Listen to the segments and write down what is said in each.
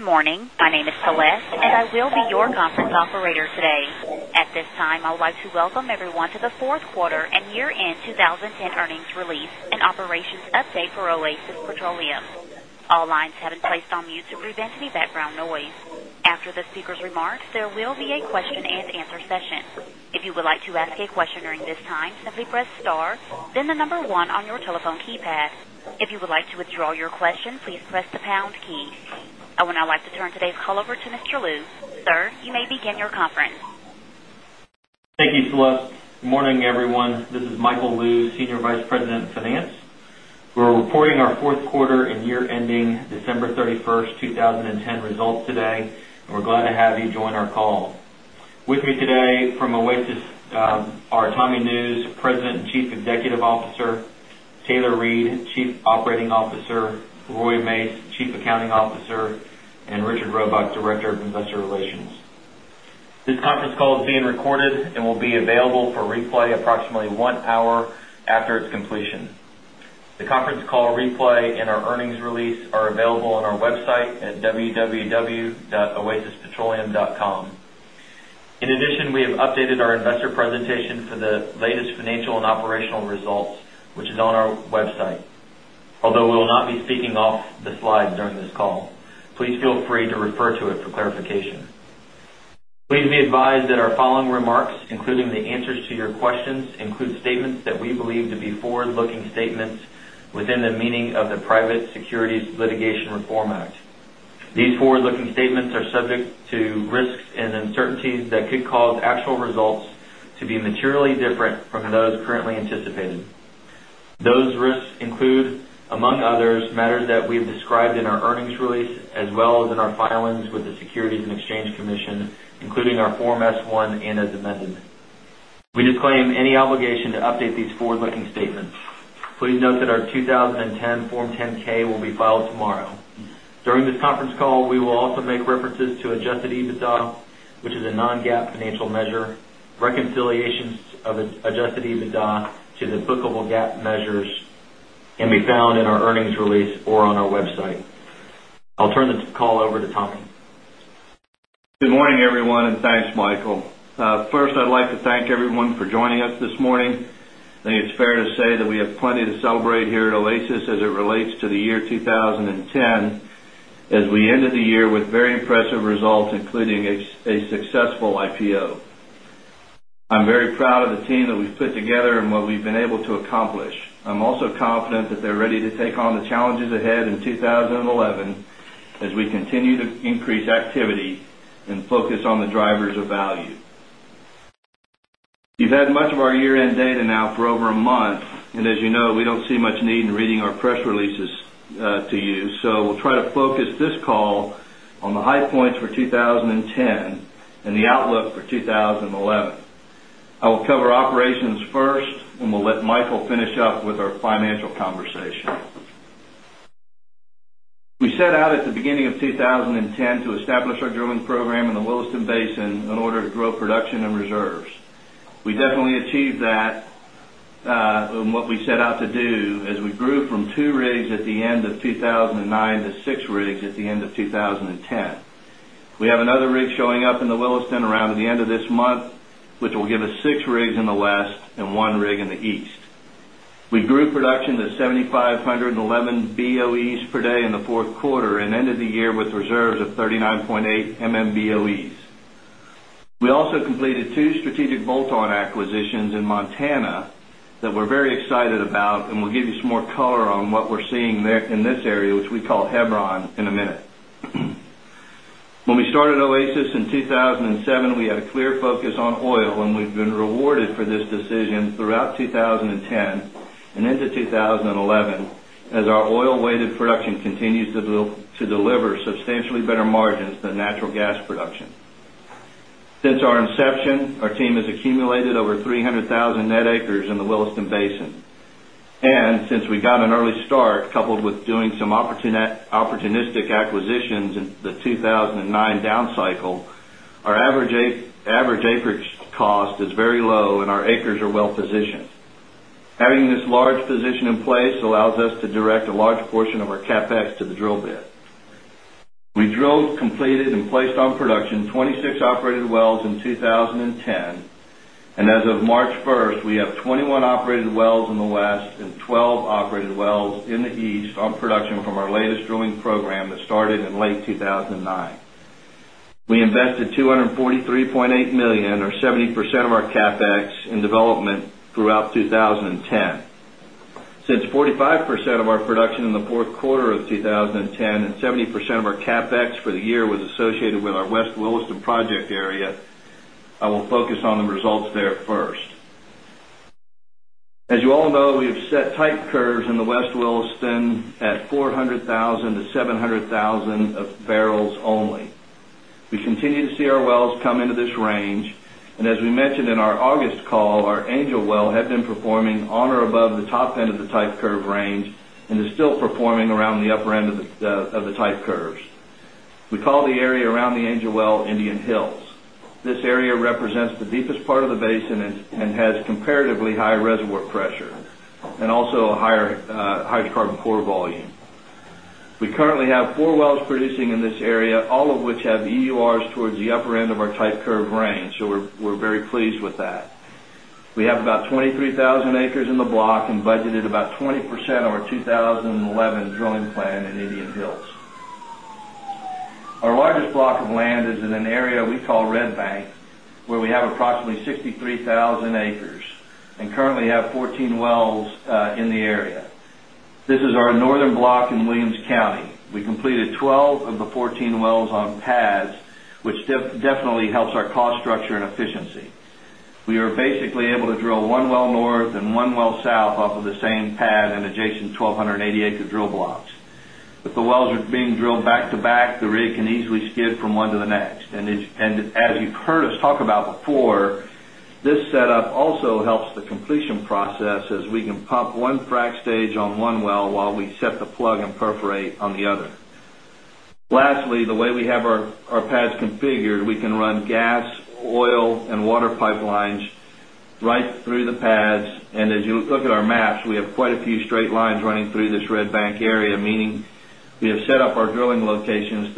Good morning. My name is Celeste, and I will be your conference operator today. At this time, I would like to welcome everyone to the 4th quarter year end twenty ten earnings release and Operations Update for Oasis Petroleum. All lines have been placed on mute to prevent any background noise. After the speakers' remarks, there will be a question and answer session. I would now like to turn today's call over to Mr. Liu. Sir, you may begin your conference. Thank you, Celeste. Good morning, everyone. This is Michael Luz, Senior Vice President, Finance. We're reporting our Q4 year ending December 30 one, 2010 results today, and we're glad to have you join our call. With me today from Oasis are Tommy News, President and Chief Executive Officer Taylor Reid, Chief Operating Officer Roy Mace, Chief Accounting Officer and Richard Robuck, Director of Investor Relations. This call is being recorded and will be available for replay approximately 1 hour after its completion. The conference call replay and our earnings release are available on our website at www.oasispetroleum.com. In addition, we have updated our investor presentation for the financial and operational results, which is on our website. Although we will not be speaking off the slides during this call, please feel free to refer to it for clarification. Please be advised that our following remarks, including the answers to your questions, include statements that we believe to be forward looking statements within the meaning of the Private Securities Litigation Reform Act. These forward looking statements are subject to risks and uncertainties that could cause actual results to be materially different from those currently anticipated. Those risks include, among others, matters that we have described in our earnings release as well as in our filings with the Securities and Exchange Commission, including our Form S-one and as amended. We disclaim any obligation to update these forward looking statements. Please note that our 20 10 Form 10 ks will be filed tomorrow. During this conference call, we will also make references to adjusted EBITDA, which is a non GAAP financial measure. Reconciliations of adjusted EBITDA to the bookable GAAP measures can be found in our earnings release or on our Web site. I'll turn the call over to Tommy. Good morning, everyone, and thanks, Michael. First, I'd like to thank everyone for joining us this morning. I think it's fair to say that we have plenty to celebrate here at Oasis as it relates to the year 20 10 as we ended the year with very impressive results including a successful IPO. I'm very proud of the team that we've put together and what we've able to accomplish. I'm also confident that they're ready to take on the challenges ahead in 2011 as we continue to increase activity and focus on the drivers of value. You've had much of our year end data now for over a month and as you know, we don't see much need in reading our press releases to you. So we'll try to focus this call on the high points for 20 10 and the outlook for 2011. I will cover operations first and we'll let Michael finish up with our financial conversation. We set out at the beginning of 2010 to establish our drilling program in the Williston Basin in order to grow production and reserves. We definitely achieved that in what we set out to do as we grew from 2 2009 to 6 rigs at the end of 2010. We have another rig showing up in the Williston around the end of this month, which will give us 6 rigs in the West and 1 rig in the East. We grew production to 7,511 BOEs per day in the 4th quarter and ended the year with reserve of 39.8 millimeters millimeters millimeters millimeters millimeters millimeters millimeters millimeters millimeters millimeters Boe. We also completed 2 strategic bolt on acquisitions in Montana that we're very excited about and we'll give you some more color on what we're seeing there in this area, which we call Hebron in a minute. When we started Oasis in 2,007, we had a clear focus on oil and we've been rewarded for this decision throughout 2010 and into 2011 as our oil weighted continues to deliver substantially better margins than natural gas production. Since our inception, our team has accumulated over 300,000 net acres in the Williston Basin. And since we got an early start coupled with doing some opportunistic acquisitions in the 2,009 down cycle, our average acreage cost is very low and our acres are well positioned. Having this large position in place allows us to direct a large portion of our CapEx to the drill bit. We drilled, completed and placed on production 26 operated wells in 2010. And as of March 1, we have 21 operated wells in the West and 12 operated wells in the east on production from our latest drilling program that started in late 2009. We invested $243,800,000 or 70 percent of our CapEx in development throughout 2010. Since 45% of our production in the Q4 of 2010 and 70% of our CapEx for the year was associated with our West Williston project area. I will focus on the results there first. As you all know, we have set type curves in the West Williston at 400,000 to 700,000 barrels only. We continue to see our wells come into this range. And as we mentioned in our August call, our Angel well had been performing on or above the top end of the type curve range and is still performing around the upper end of the type curves. We call the area around the Angel Well Indian Hills. This area represents the deepest part of the basin and has comparatively higher reservoir pressure and also a higher hydrocarbon core volume. We currently have 4 wells producing in this area, all of which have EURs towards the upper end of our type curve range. So we're very pleased with that. We have about 20 1,000 acres in the block and budgeted about 20% of our 2011 drilling plan in Indian Hills. Our largest block of land is in an area we call Red Bank, where we have approximately 63,000 acres and currently have 14 wells in the area. This is our northern block in Williams County. We completed 12 of the 14 wells on pads, which definitely helps our cost structure and efficiency. We are basically able to drill 1 well north and 1 well south off of the same pad and adjacent 12 80 acre drill blocks. If the wells are being drilled back to back, the rig can easily skid from 1 to the next. And as you've heard us talk about before, this setup also helps the completion process as we can pump 1 frac stage on one well while we set the plug and perforate on the other. Lastly, the way we have our pads configured, we can run gas, oil and water pipelines right through the pads. And as you look at our maps, we have quite a few straight lines running through this Red Bank area, meaning we have set up our drilling locations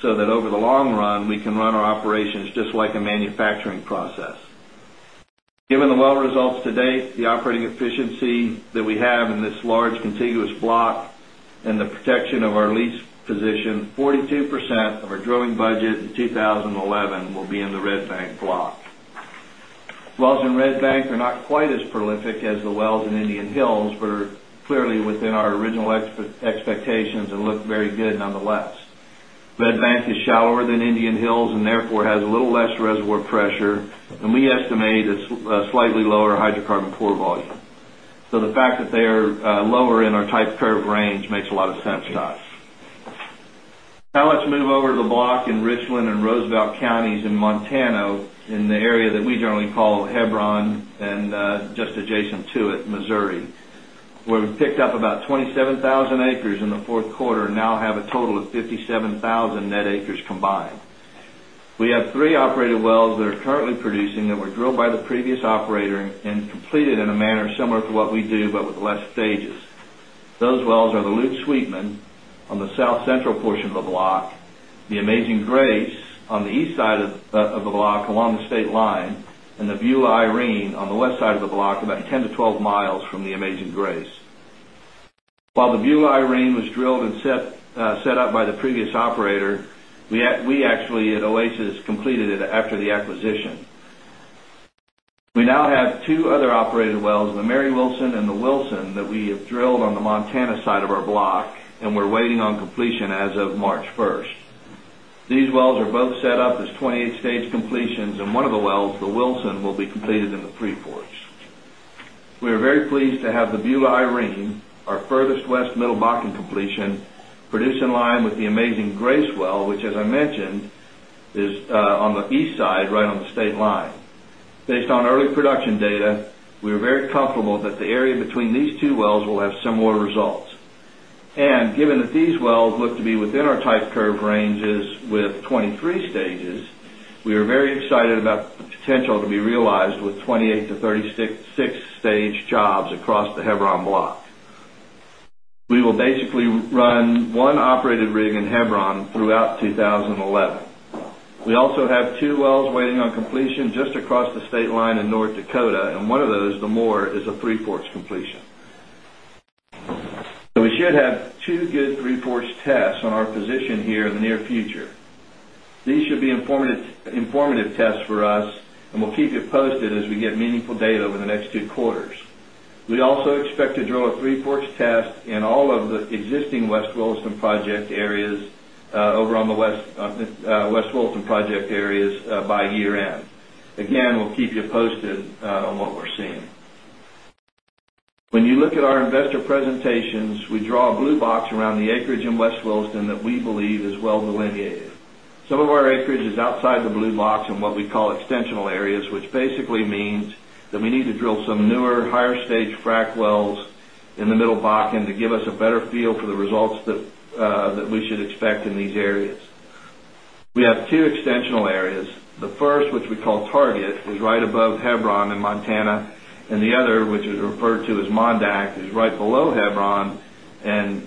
so that over the long run, we can run our operations just like a manufacturing process. Given the well results to date, the operating efficiency that we have in this large contiguous block and the protection of our lease position, 42% of our drilling budget in 2011 will be in the Red Bank block. Wells in Red Bank are not quite as prolific as the wells in Indian Hills, but are clearly within our original expectations and look very good nonetheless. Red Bank is shallower than Indian Hills and therefore has a little less reservoir and we estimate a slightly lower hydrocarbon core volume. So the fact that they are lower in our type curve range makes a lot of sense to us. Now let's move over to the block in Richland and Roosevelt Counties in Montana, in the area that we generally call Hebron and adjacent to it, Missouri, where we picked up about 27,000 acres in the 4th quarter and now have a total of 57,000 net acres combined. We have 3 operated wells that are currently producing that were drilled by the previous operator and completed in a manner similar to what we do but with less stages. Those wells are the Luke Sweetman on the south central portion of the block, the Amazing Grace on the east side of the block along the state line and the Beulah Irene on the west side of the block about 10 to 12 miles from the Amazing Grace. While the Beulah Irene was drilled and set up by the previous operator, we actually at Oasis completed it after the acquisition. We now have 2 other operated wells, the Mary Wilson and the Wilson that we have drilled on the Montana side of our block and we're waiting on completion as of March 1. These wells are both set up as 28 stage completions and one of the wells, the Wilson will be completed in the Free Forks. We are very pleased to have the Beulah Irene, our furthest West Middle Bakken completion, produced in line with the amazing Grace well, which as I mentioned is on the east side right on the state line. Based on early production data, we are very comfortable that the area between these two wells will have similar results. And given these wells look to be within our type curve ranges with 23 stages, we are very excited about the potential to be realized with 28 to 30 6 stage jobs across the Hebron block. We will basically run 1 operated rig in Hebron throughout 2011. We also have 2 wells waiting on completion just across the state line in North Dakota and one of those, the Moore is a Three Forks completion. So we should have 2 good Three Forks tests on our data over the next two quarters. We also expect to drill a Three Forks test in all of the existing West Williston project areas over on the West Williston project areas by year end. Again, we'll keep you posted on what we're seeing. When you look at our investor presentations, we draw a blue box around the acreage in West Williston that we believe is well delineated. Some of our acreage is outside the blue box and what we call extensional areas, which basically means that we need to drill some newer higher stage frac wells in the middle Bakken to give us a better feel for the results that we should expect in these areas. We have 2 extensional areas. The first which we call Target was right above Hebron in Montana and the other, which is referred to as Mondac, is right below Hebron and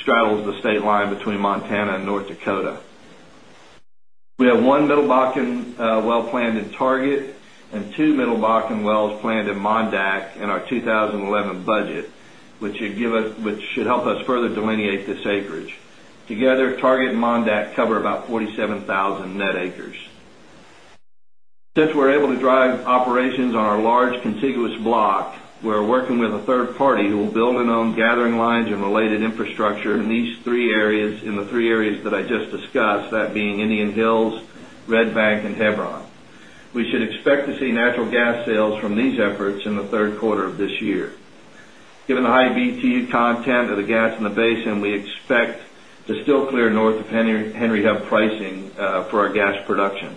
straddles the state line between Montana and North Dakota. We have 1 Middle Bakken well planned at Target and 2 Middle Bakken wells planned in Mondak in our 2011 budget, which should help us further delineate this acreage. Together, Target and Mondak cover about 47 1,000 net acres. Since we're able to drive operations on our large contiguous block, we're working with a third party will build and own gathering lines and related infrastructure in the three areas that I just discussed, that being Indian Hills, Red Bank and Hebron. We should expect to see natural gas sales from these efforts in the Q3 of this year. Given the high BTU content of the gas in the basin, we expect to still clear north of Henry Hub pricing for our gas production.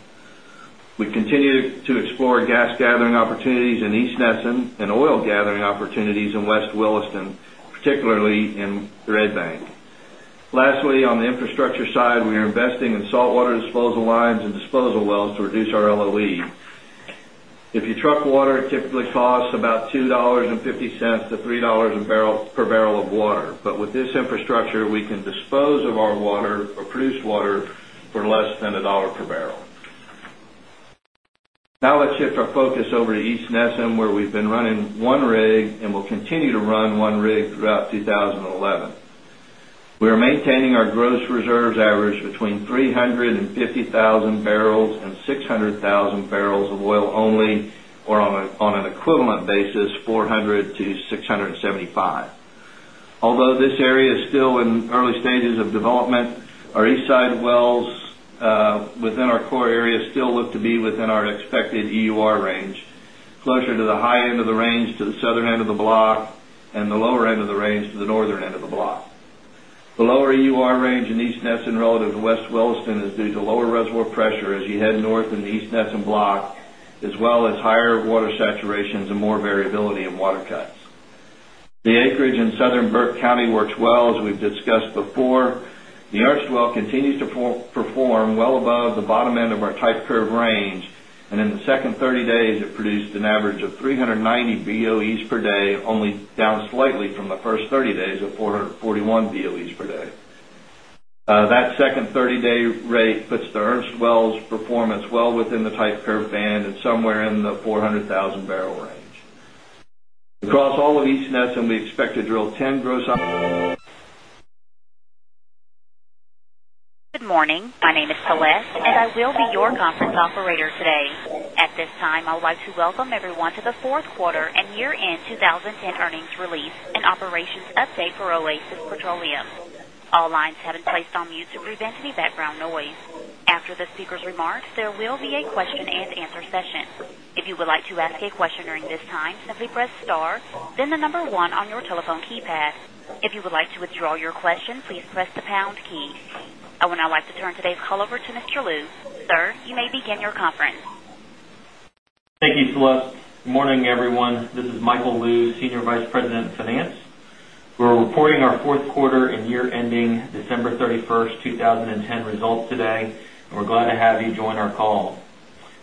We continue to explore gas gathering opportunities in East Nesson and oil gathering opportunities in West Williston, particularly in Red Bank. Lastly, infrastructure side, we are investing in saltwater disposal lines and disposal wells to reduce our LOE. If you truck water, it typically costs about 2 point $5.0 to $3 per barrel of water. But with this infrastructure, we can dispose of our water or produce water for less than $1 per barrel. Now, let's shift our focus over to East Nesen where we've been running 1 rig and will continue to run 1 rig throughout 2011. We are maintaining our gross reserves average between 350,000 barrels of oil only or on an equivalent basis 400 to 675. Although this area is still in early stages of development, our Eastside wells within our core areas still look to be within our expected EUR range, closer to the high end of the range to the southern end of the block and the lower end of the range to the northern end of the block. The lower EUR range in East Nesson relative to West Williston is due to lower reservoir pressure as you head north in the East Nesson block as well as higher water saturations and more variability in water cuts. The acreage in Southern Burke County works well as we've discussed before. The Ernst well continues to perform well above the bottom end of our type curve range and in the second 30 days it produced an average of 3.90 BOEs per day, only down slightly from the 1st 30 days of 4.41 BOEs per day. That second 30 day rate puts the Ernst Wells performance well within the type curve band and somewhere in the 400,000 barrel range. Across all of these nets, we expect to drill 10 gross ounces. Good morning. My name is Celeste, and I will be your conference operator today. At this time, I would like to welcome everyone to the 4th Quarter and Year End 20 10 Earnings Release and Operations Update for Oasis Petroleum. All lines have been placed on mute to prevent any background noise. After the speakers' remarks, I would now like to turn today's call over to Mr. Luz. Sir, you may begin your conference. Thank you, Celeste. Good morning, everyone. This is Michael Luz, Senior Vice President, Finance. We're reporting our 4th quarter year ending December 31, 2010 results today, and we're glad to have you join our call.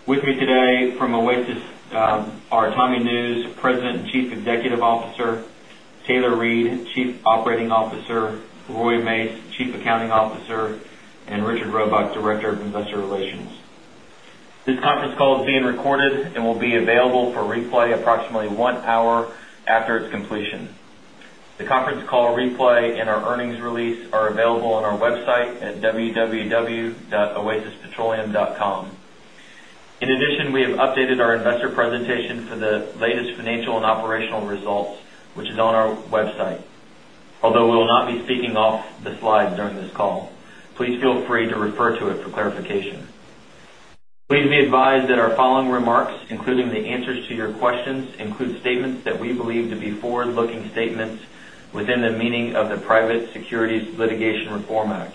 With me today from Oasis are Tommy News, President and Chief Officer Taylor Reid, Chief Operating Officer Roy Mace, Chief Accounting Officer and Richard Robock, Director of Investor Relations. This conference call is being recorded and will be available for replay approximately 1 hour after its completion. The conference call replay and our earnings release are available on our website at www.oasaspetroleum.com. In addition, we have updated our investor presentation for the financial and operational results, which is on our website. Although we will not be speaking off the slides during this call, please feel free to refer to it for clarification. Please be advised that our following remarks, including the answers to your questions, include statements that we believe to be forward looking statements within the meaning of the Private Securities Litigation Reform Act.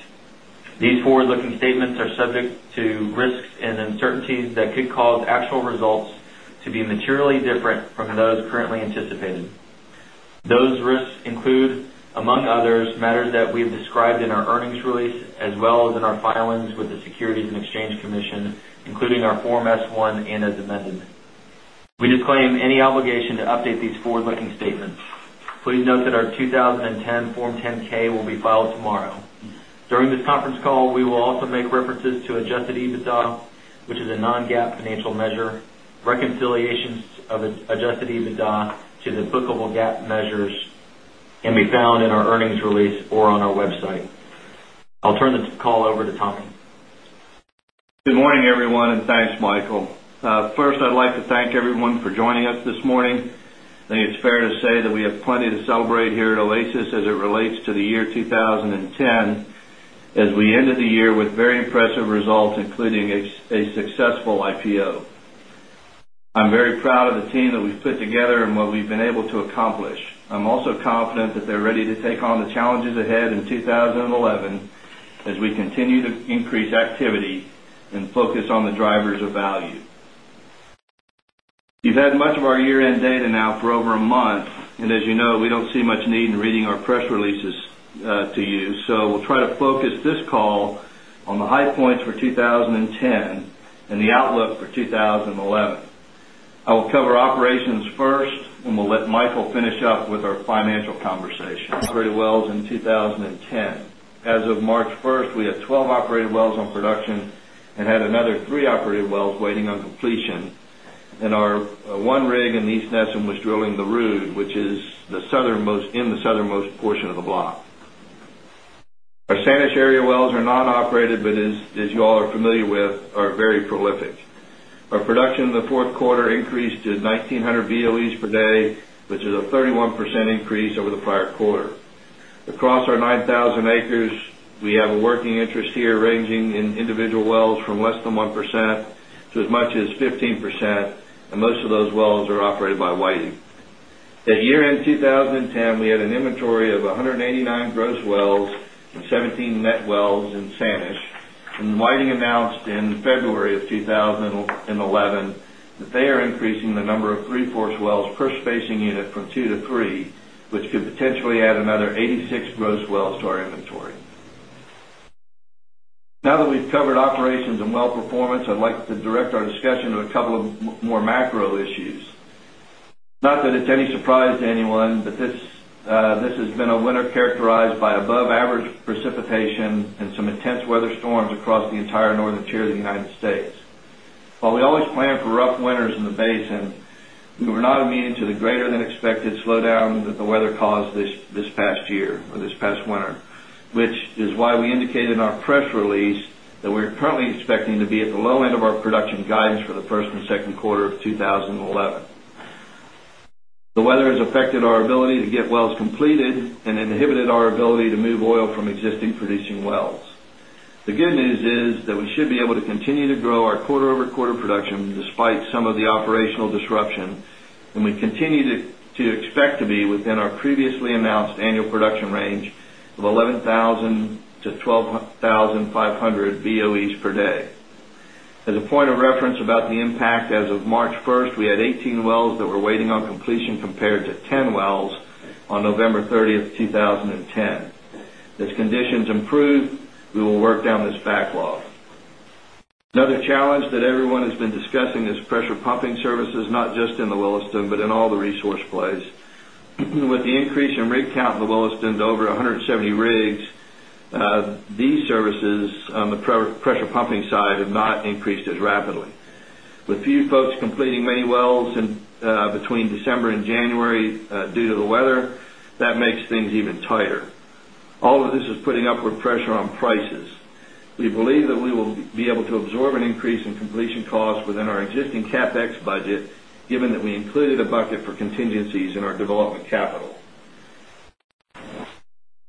These forward looking statements are subject to risks and uncertainties that could cause actual results to be materially different from those currently anticipated. Those risks include, among others, matters that we have described in our earnings release as well as in our filings with the Securities and Exchange Commission, including our Form S-one and as amended. We disclaim any obligation to update these forward looking statements. Please note that our 2010 Form 10 ks will be filed tomorrow. During this conference call, we will also make references to adjusted EBITDA, which is a non GAAP financial measure. Reconciliations of adjusted EBITDA to the bookable GAAP measures can be found in our earnings release or on our website. I'll turn the call over to Tommy. Good morning, everyone, and thanks, Michael. First, I'd like to thank everyone for joining us this morning. I think it's fair to say that we have plenty to celebrate here at Oasis as it relates to the year 2010 as we ended the year with very impressive results, including a successful IPO. I'm very proud of the team that we've put together and what we've been able to accomplish. I'm also confident that they're ready to take on the challenges ahead in 20 11 as we continue to increase activity and focus on the drivers of value. You've had much of our year end data now for over a month and as you know, we don't see much need in reading our press releases to you. So we'll try to focus this call on the high points for 20 10 and the outlook for 20 11. I will cover operations on production and had another 3 operated wells waiting on completion. And our 1 rig in East Nesen was drilling the Rude, which is in the southernmost portion of the block. Our Sanish Area wells are not operated, but as you all are familiar with, are very prolific. Our production in the 4th quarter increased to 1900 BOEs per day, which is a 31% increase over the prior quarter. Across our 9 1,000 acres, we have a working interest here ranging in individual wells from less than 1% to as much as 15% and most of those wells operated by Whiting. At year end 2010, we had an inventory of 189 gross wells and 17 net wells in Sanish And Whiting announced in February of 2011 that they are increasing the number of 3 force wells per spacing unit from 2 to 3, which could potentially add another 86 gross wells to our inventory. Now that we've covered operations and well performance, I'd like to direct our discussion to a couple of more macro issues. Not that it's any surprise to anyone, but this has been a winter characterized by above average precipitation and some intense weather storms across the entire northern tier of the United States. While we always plan for rough winters in the basin, we were not immune to the greater than expected slowdown that the weather caused this past year or this past winter, which is why we indicated in our press release that we are currently expecting to be at the low end of our production guidance for the 1st and second quarter of 20 11. The weather has affected our ability to get wells completed and inhibited our ability to move oil from existing producing wells. The good news is that we should be able to continue to grow our quarter over quarter production despite some of the operational disruption and we continue to expect to be within our previously announced annual production range of 11,000 to 12,500 BOEs per day. As a point of reference about the impact as of March 1st, we had 18 wells that were waiting on completion compared to 10 wells on November 30, 2010. As conditions improve, we will work down this backlog. Another challenge that everyone has been discussing is pressure pumping services, not just in the Williston, but in all the resource plays. With the increase in rig count in the Williston to over 170 rigs, these services on the pressure pumping side have not increased as rapidly. Things even tighter. All of this is putting upward pressure on prices. We believe that we will be able to absorb an increase in completion costs within our existing CapEx budget, given that we included a bucket for contingencies in our development capital.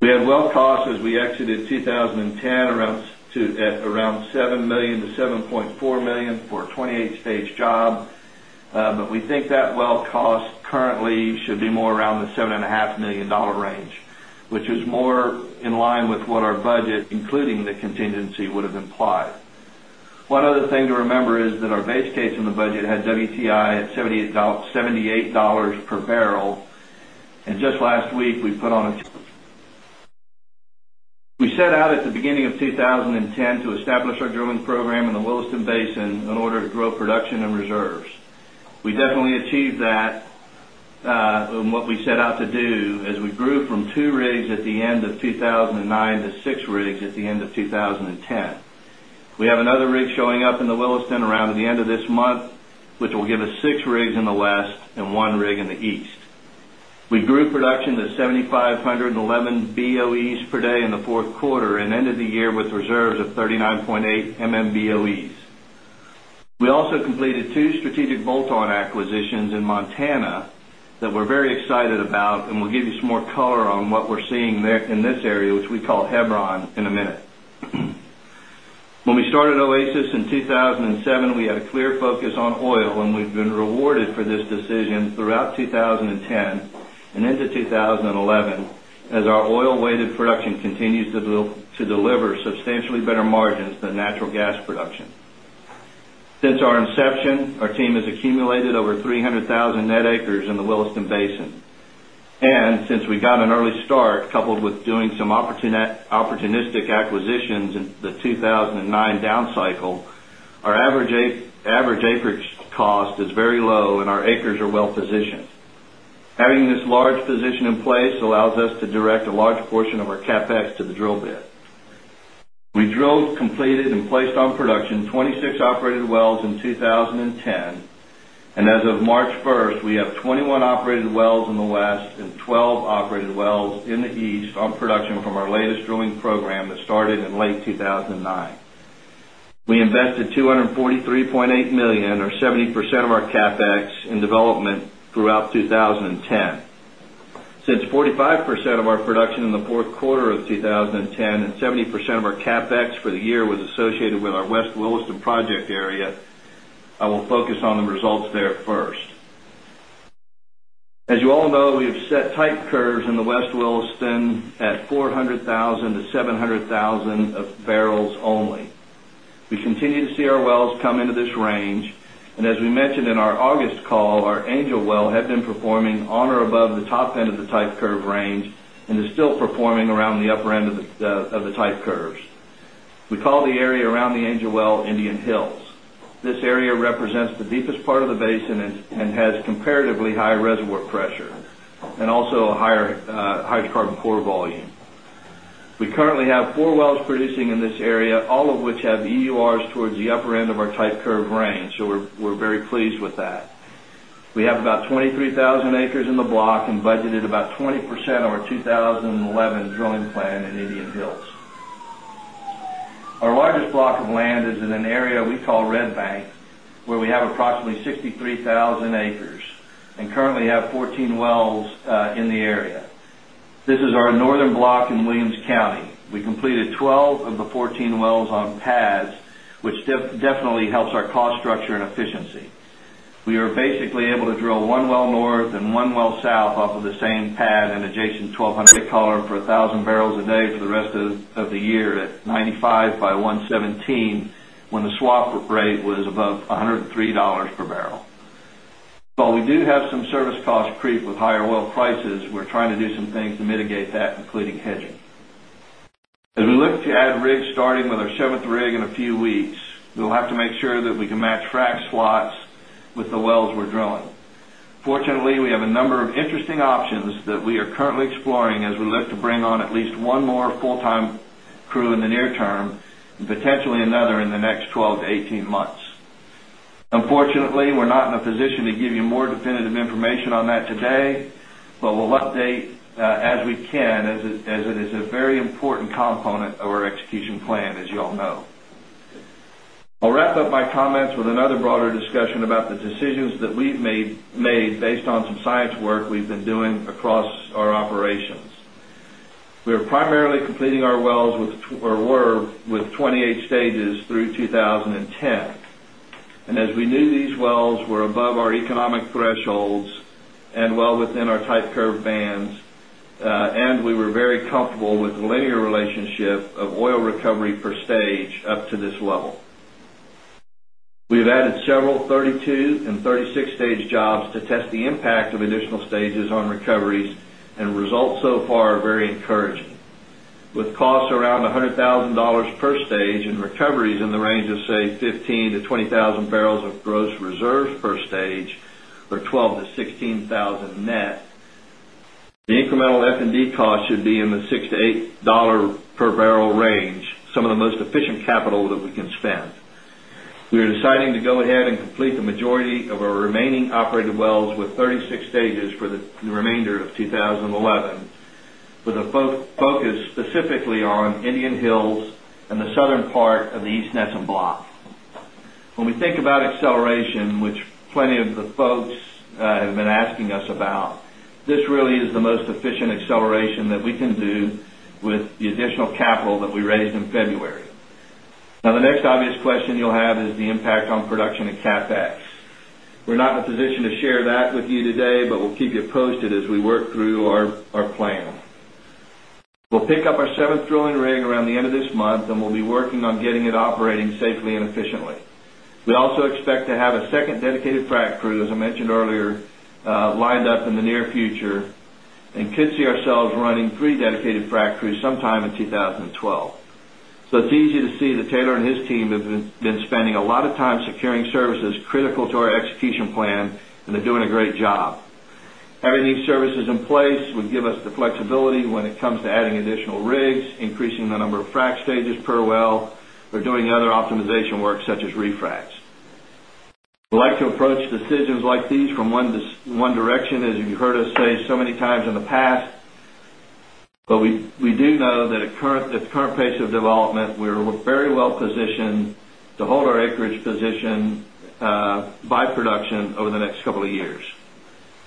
We had well costs as we exited 2010 at around $7,000,000 to $7,400,000 for a 28 stage job. But we think that well cost currently should be more around the $7,500,000 range, which is more in line with what our budget, including the contingency, would have implied. One other thing to remember is that our base case in the budget had WTI at $78 per barrel. And just last week, we put on a we set out at the beginning of 2010 to establish our drilling program in the Williston Basin in order to grow production and reserves. We definitely achieved that in what we set out to do as we grew from 2 rigs at the end of 2,009 to 6 rigs at the end of 2010. We have another rig showing up in the Williston around the end of this month, which will give us 6 rigs in the West and 1 rig in the East. We grew production to 7,511 BOEs per day in the 4th quarter and ended the year with reserves of 39.8 millimeters millimeters millimeters millimeters millimeters millimeters BOEs. We also completed 2 strategic bolt on acquisitions in Montana that we're very excited about and we'll give you some more color on what we're seeing there in this area, which we call Hebron in a minute. When we started Oasis in 2,007, we had a clear focus on oil and we've been rewarded for this decision throughout 2010 and into 2011 as our oil weighted has accumulated over 300,000 net acres in the Williston Basin. And since we got an early start coupled with doing some opportunistic acquisitions in the 2,009 down cycle, our average acreage cost is very low and our acres are well positioned. Having this large position in place allows us to direct a large portion of our CapEx to the drill bit. We drilled, completed and placed on production 26 operated wells in 2010. And as of March 1, we have 21 operated wells in the West and 12 operated wells in the East on production from our latest drilling program that started in late 2,009. We invested $243,800,000 or 70 percent of our CapEx in development throughout 2010. Since 40 5% of our production in the Q4 of 2010 and 70% of our CapEx for the year was associated with our West Williston project area, I will focus on the results there first. As you all know, we have set type curves in the West Williston mentioned in our August call, our Angel well had been performing on or above the top end of the type curve range and is still performing around the upper end of the type curves. We call the area around the Angel Well Indian Hills. This area represents the deepest part of the basin and has comparatively high reservoir pressure and also a higher hydrocarbon core volume. We currently have 4 wells producing in this area, all of which have EURs towards the upper end of our type curve range. So we're very pleased with that. We have about 23,000 acres in the block and budgeted about 20% of our 2011 drilling plan in Indian Hills. Our largest block of land is in an area we call Red Bank, where we have approximately 63,000 acres and currently have 14 wells in the area. This is our northern block in Williams County. We completed 12 of the 14 wells north and one well south off of the same pad and adjacent 1200 weight column for 1,000 barrels a day for the rest of the year at 95 by 117 when the swap rate was above $103 per barrel. While we do have some service cost creep with higher oil prices, we're trying to do some things to mitigate that, including hedging. As we look to add rigs starting with our 7th rig in a few weeks, we'll have to make sure that we can match frac slots with the wells we're drilling. Fortunately, we have a number of interesting options that we are currently exploring as we look to bring on at least one more full time crew in the near term and potentially another in the next 12 to 18 months. Unfortunately, we're not in a position to give you more definitive information on that today, but we'll update as we can as it is a very important component of our execution plan, as you all know. I'll wrap up my comments I'll wrap up my comments with another broader discussion about the decisions that we've made based on some science work we've been doing across our operations. We are primarily completing our wells with or were with 28 stages through 2010. And as we knew these wells were above our economic thresholds and well within our type curve bands, and we were very comfortable with the linear relationship of oil recovery per stage up to this level. We have added several 32 and 36 stage jobs to test the impact of additional stages on recoveries and results so far are very encouraging. With costs around $100,000 per stage and recoveries in the range of say 15,000 to 20,000 barrels of gross reserves per stage or 12,000 to 16,000 net. The incremental F and D cost should be in the $6 to $8 per barrel range, some of the most efficient capital that we can spend. Decided to go ahead and complete the majority of our remaining operated wells with 36 stages for the remainder of 2011 with a focus specifically on Indian Hills and the southern part of the East Nesham block. When we think about acceleration, which capital that we raised in February. Now the next obvious question you'll have is the impact on production and CapEx. We're not in a position to share that with you today, but we'll keep you posted as we work through our plan. We'll pick up our 7th drilling rig around the end of this month and we'll be working on getting it operating safely and efficiently. We also expect to have a second dedicated frac crew, as I mentioned earlier, lined up in the near future and could see ourselves running 3 dedicated frac crews sometime in 2012. So it's easy to see that Taylor and his team have been spending a lot of time securing services critical to our execution plan and they're doing a great job. Having these services in place would give us the flexibility when it comes to adding additional rigs, increasing the number of frac stages per well or doing other optimization work such as refracs. We like to approach decisions like these from one direction as you've heard us say so many times in the past. But we do know that at the current pace of development, we're very well positioned to hold our acreage position by production over the next couple of years.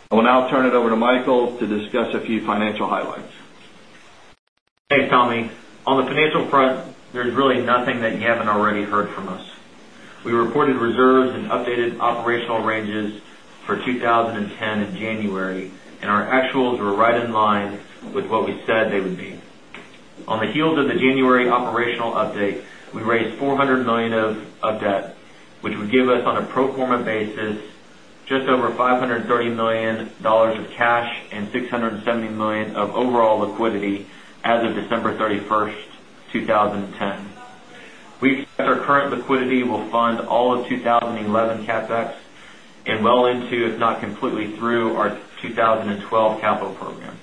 I will now turn it over to Michael to discuss a few financial highlights. Thanks, Tommy. On the financial front, there's really nothing that you haven't already heard from us. We reported reserves and updated operational ranges for 20 10 in January and our actuals were right in line with what we said they would be. On the heels of the January operational update, we update, we raised $400,000,000 of debt, which would give us on a pro form a basis just over $530,000,000 of cash and 6 $70,000,000 of overall liquidity as of December 31, 2010. We expect our current liquidity will fund all of 20 11 CapEx and well into if not completely through our 2012 capital program.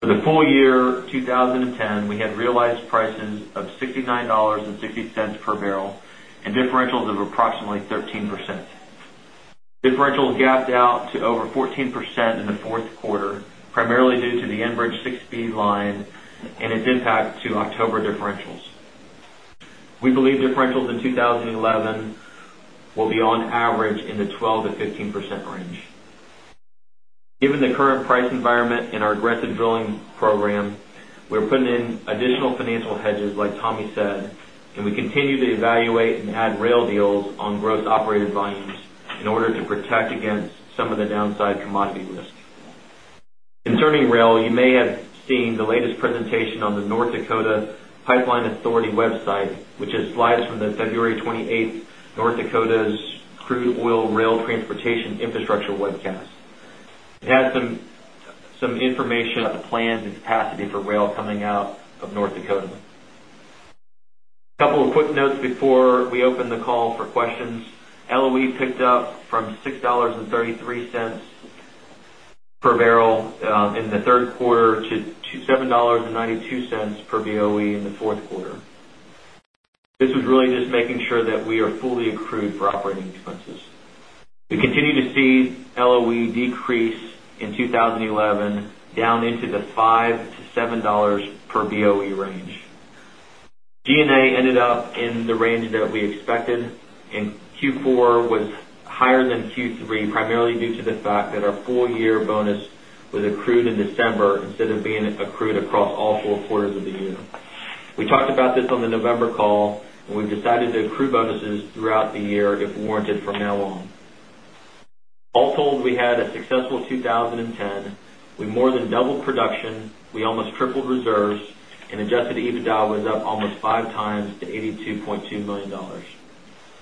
For the full year 2010, we had realized prices of $69.60 per barrel and differentials of approximately 13%. Differentials gapped out to over 14% in the 4th quarter, primarily due to the Enbridge aggressive drilling program, we're putting in additional financial hedges like Tommy said and we continue to evaluate and add rail deals on gross operated volumes volumes in order to protect against some of the downside commodity risk. In turning rail, you may have seen the latest presentation on the North Dakota Pipeline Authority website, which has slides from the February 28th North Dakota's crude oil rail transportation infrastructure webcast. It has some information on the plans and capacity for rail coming out of North Dakota. A couple of quick notes before we open the call for questions. LOE picked up from $6.33 per barrel in the 3rd quarter to $7.92 per BOE in the 4th quarter. This was really just making sure that we are fully accrued for operating expenses. We continue to see LOE decrease in 20.11 down into the $5 to $7 per BOE range. G and A ended up in the range that we expected and Q4 was higher than Q3 primarily due to the fact that our full year bonus was accrued in December instead of being accrued across all four quarters the year. We talked about this on the November call and we've decided to accrue bonuses throughout the year if warranted from now on. All told, we had a successful 2010. We more than doubled production. We almost tripled reserves and adjusted EBITDA was up almost 5 times to $82,200,000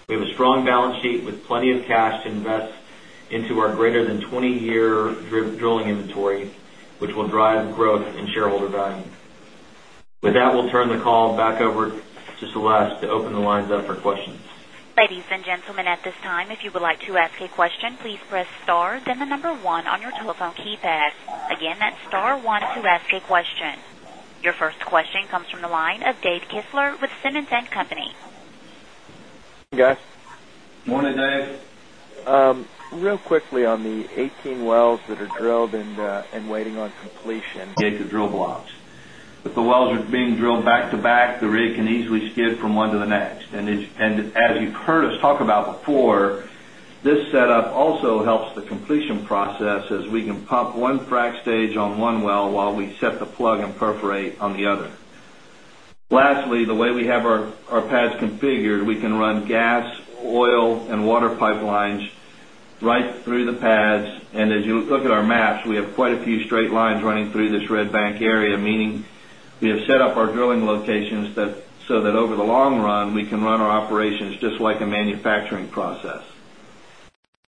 We have a strong balance sheet with plenty of cash to invest into our greater than 20 year drilling inventory, which will drive growth in shareholder value. With that, we'll turn the call back over to Celeste to open the lines up for questions. Real quickly on the 18 wells that are drilled and waiting on completion. 88 to drill blocks. If the wells are being drilled back to back, the rig can easily skid from 1 to the next. And as you've heard us talk about before, this setup also helps the completion process as we can pump 1 frac stage on one well while we set the plug and perforate on the other. Lastly, the way we have our pads configured, we can run gas, oil and water pipelines right through the pads. And as you look at our maps, we have quite a few straight lines running through this Red Bank area, meaning we have set up our drilling locations so that over the long run, we can run our operations just like a manufacturing process.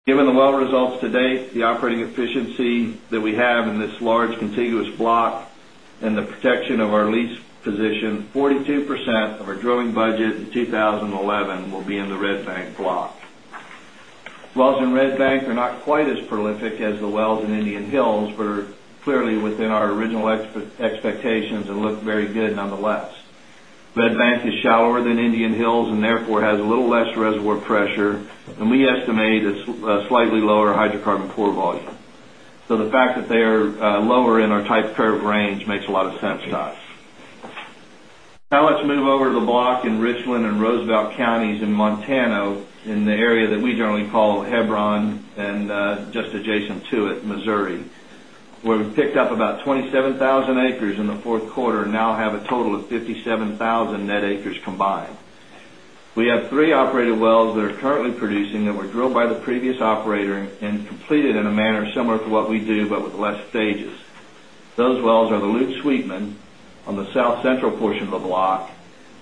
Given the well results to date, the operating efficiency that we have in this large contiguous block and the protection of our lease position, 42% of our drilling budget in 2011 will be in the Red Bank block. Wells in Red Bank are not quite as prolific as the wells in Indian Hills, but are clearly within our original expectations and look very good nonetheless. Red Vance is shallower than Indian Hills and therefore has a little less reservoir pressure and we estimate a slightly lower hydrocarbon pour volume. So the fact that they are lower in our type curve range makes a lot of sense to us. Now let's move over to the block in Richland and Roosevelt Counties in Montana in the area that we generally call Hebron and just adjacent to it, Missouri, where we picked up about 27,000 acres in the 4th quarter and now have a total of 57,000 net acres combined. We have 3 operated wells that are producing that were drilled by the previous operator and completed in a manner similar to what we do but with less stages. Those wells are the Lutz Sweetman on the south central portion of the block,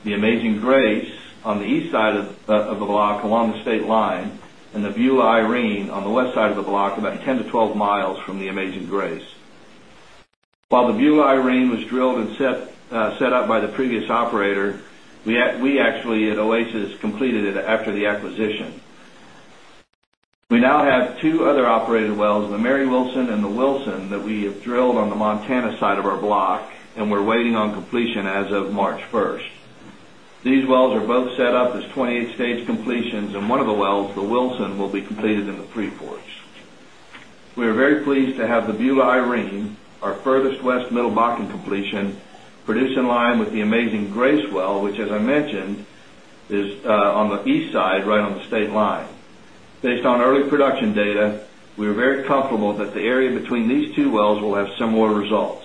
the Amazing Grace on the east side of the block along the state line and the Beulah Irene on the west side of the block about 10 to 12 miles from the Amazing Grace. While the Beulah Irene was drilled and set up by the previous operator, we actually at Oasis completed it after the acquisition. We now have 2 other operated wells, the Mary Wilson and the Wilson that we have drilled on the Montana side of our block and we're waiting on completion as of March 1. These wells are both set up as 28 stage completions and one of the wells, the Wilson will be completed in the Free Forks. We are very pleased to have the Beulah Irene, our furthest West Middle Bakken completion, produced in line with the amazing Grace well, which as I mentioned is on the east side right on the state line. Based on early production data, we are very comfortable that the area between these two wells will similar results.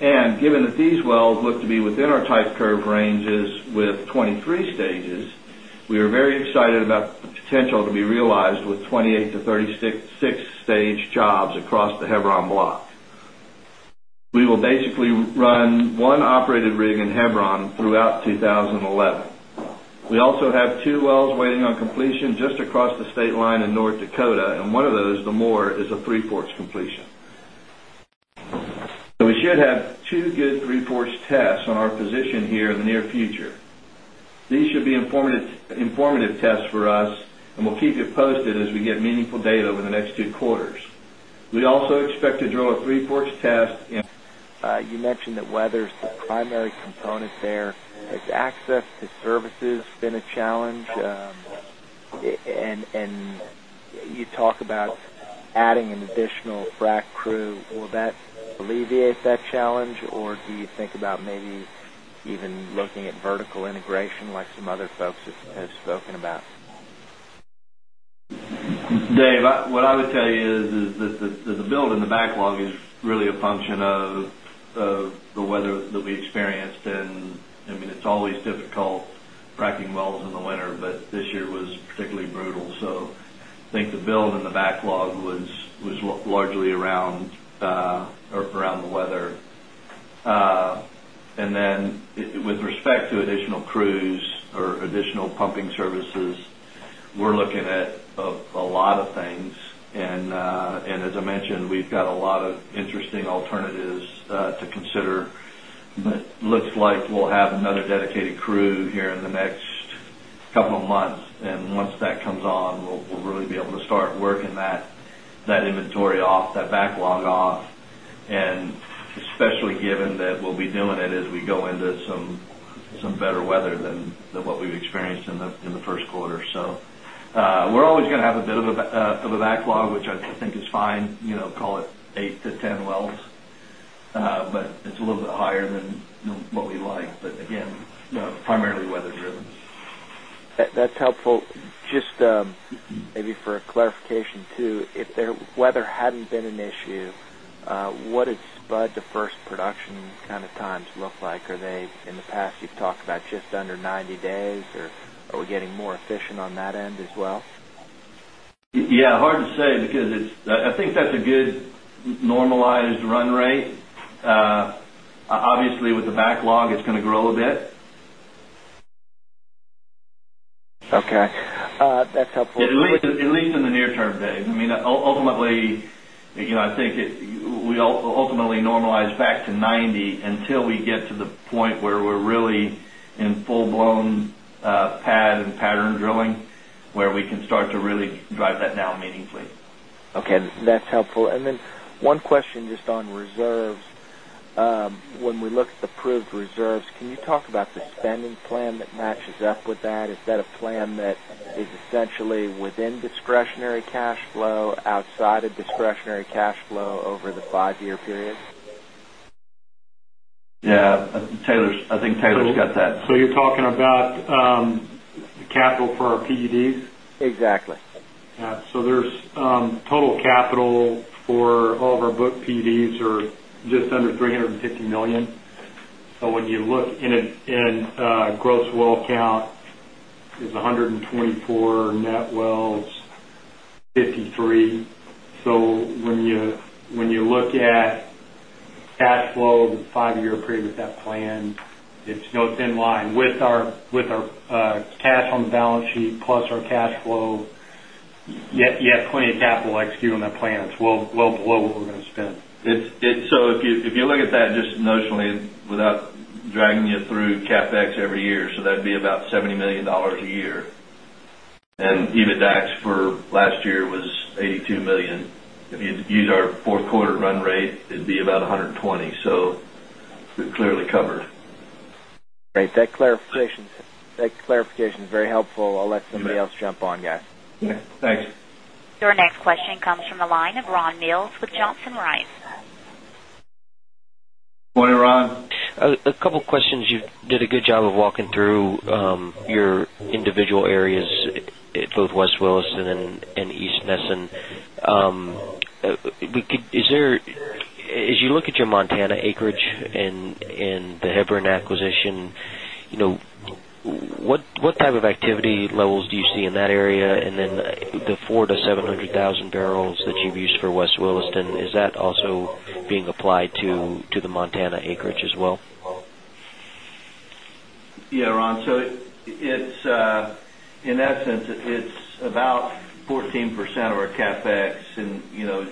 And given that these wells look to be within our type curve ranges with 23 stages, we are very excited about the potential to be realized with 28 to 36 stage jobs across the Hebron block. We will basically run one operated rig in Hebron throughout 2011. We also have 2 wells waiting on completion just across the state line in North Dakota Dakota and one of those, the Moore is a Three Forks completion. So we should have 2 good Three Forks 4th tests on our position here in the near future. These should be informative tests for us and we'll keep you posted as we get meaningful data over the next two quarters. We also expect to drill a Three Forks test. You mentioned that weather is the primary component there. Has access to services been a challenge? And you talk about adding an additional frac crew. Will that alleviate that challenge? Or do you think about maybe even looking at vertical integration like some other folks have spoken about? Dave, what I would tell you is that the build in the backlog is really a function of the weather that we experienced. And I mean, it's always difficult fracking wells in the winter, but this year was particularly brutal. So I think the build and the backlog was largely around the weather. Then with respect to additional crews or additional pumping services, we're looking at a lot of things. And as I mentioned, we've got a lot of interesting alternatives to consider. But it looks like we'll have a dedicated crew here in the next couple of months. And once that comes on, we'll really be able to start working that inventory off, that backlog off and especially given that we'll be doing it as we go into some better weather than what we've experienced But it's a little bit higher than what we like. But it's a little bit higher than what we like, but again, primarily weather driven. That's the first production kind of times look like? Are they in the past you've talked about just under 90 days or are we getting more efficient on that end as well? Yes, hard to say because it's I think that's a good normalized run rate. Obviously, the backlog it's going to grow a bit. Okay. That's helpful. At least in the near term, Dave. I mean, ultimately, I think we'll ultimately normalize back to 90 until we get to the point where we're really in full blown pad and pattern drilling where we can start to really drive that down meaningfully. Okay. That's helpful. And then one question just on reserves. When we look at the proved reserves, can you talk about the spending plan that matches up with that? Is that a plan that is essentially within discretionary cash flow outside of discretionary cash flow over the 5 year period? Yes. I think Taylor has got that. So you are talking about capital for our PEDs? Exactly. So there's total capital for all of our booked PEDs are just under $350,000,000 So when you look in gross well count, it's 100 and 24 net wells, 53. So when you look at cash flow, the 5 year period with that plan, it's still in line with our cash on the balance sheet plus our cash flow, yet plenty of capital executing on that plan, it's well below what we're going to spend. So if you look at that just notionally without dragging you through CapEx every year, so that would be about $70,000,000 a year. And EBITDAX for last year was 82,000,000 dollars If you use our 4th quarter run rate, it'd be about 120,000,000. So, we're clearly covered. Great. That clarification is very helpful. I'll let somebody else jump on guys. Thanks. Your next question comes from the line of Ron Neals with Johnson Rice. Good morning, Ron. A couple of questions. You did a good job of walking through your individual areas at both West Williston and East Nesson, is there as you look at your Montana acreage and the Hebron acquisition, that also being applied to the Montana acreage as well? Yes, Ron. So it's in essence, it's about 14% of our CapEx. And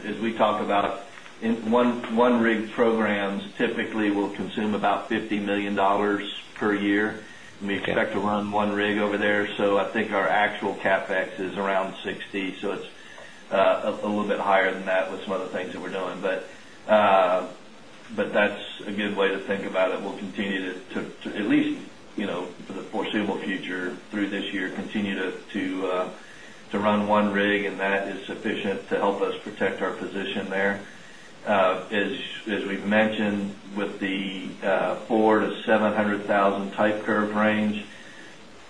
as we talk about 1 rig programs typically will consume about $50,000,000 per year and we expect to run 1 rig over there. So I think our actual CapEx is around $60,000,000 So it's a little bit higher than that with some of the things that we're doing. But that's a good way to think about it. We'll continue to at least for the foreseeable future through this year continue to run 1 rig and that is sufficient to help us protect our position there. As we've mentioned with the 4 100000 type curve range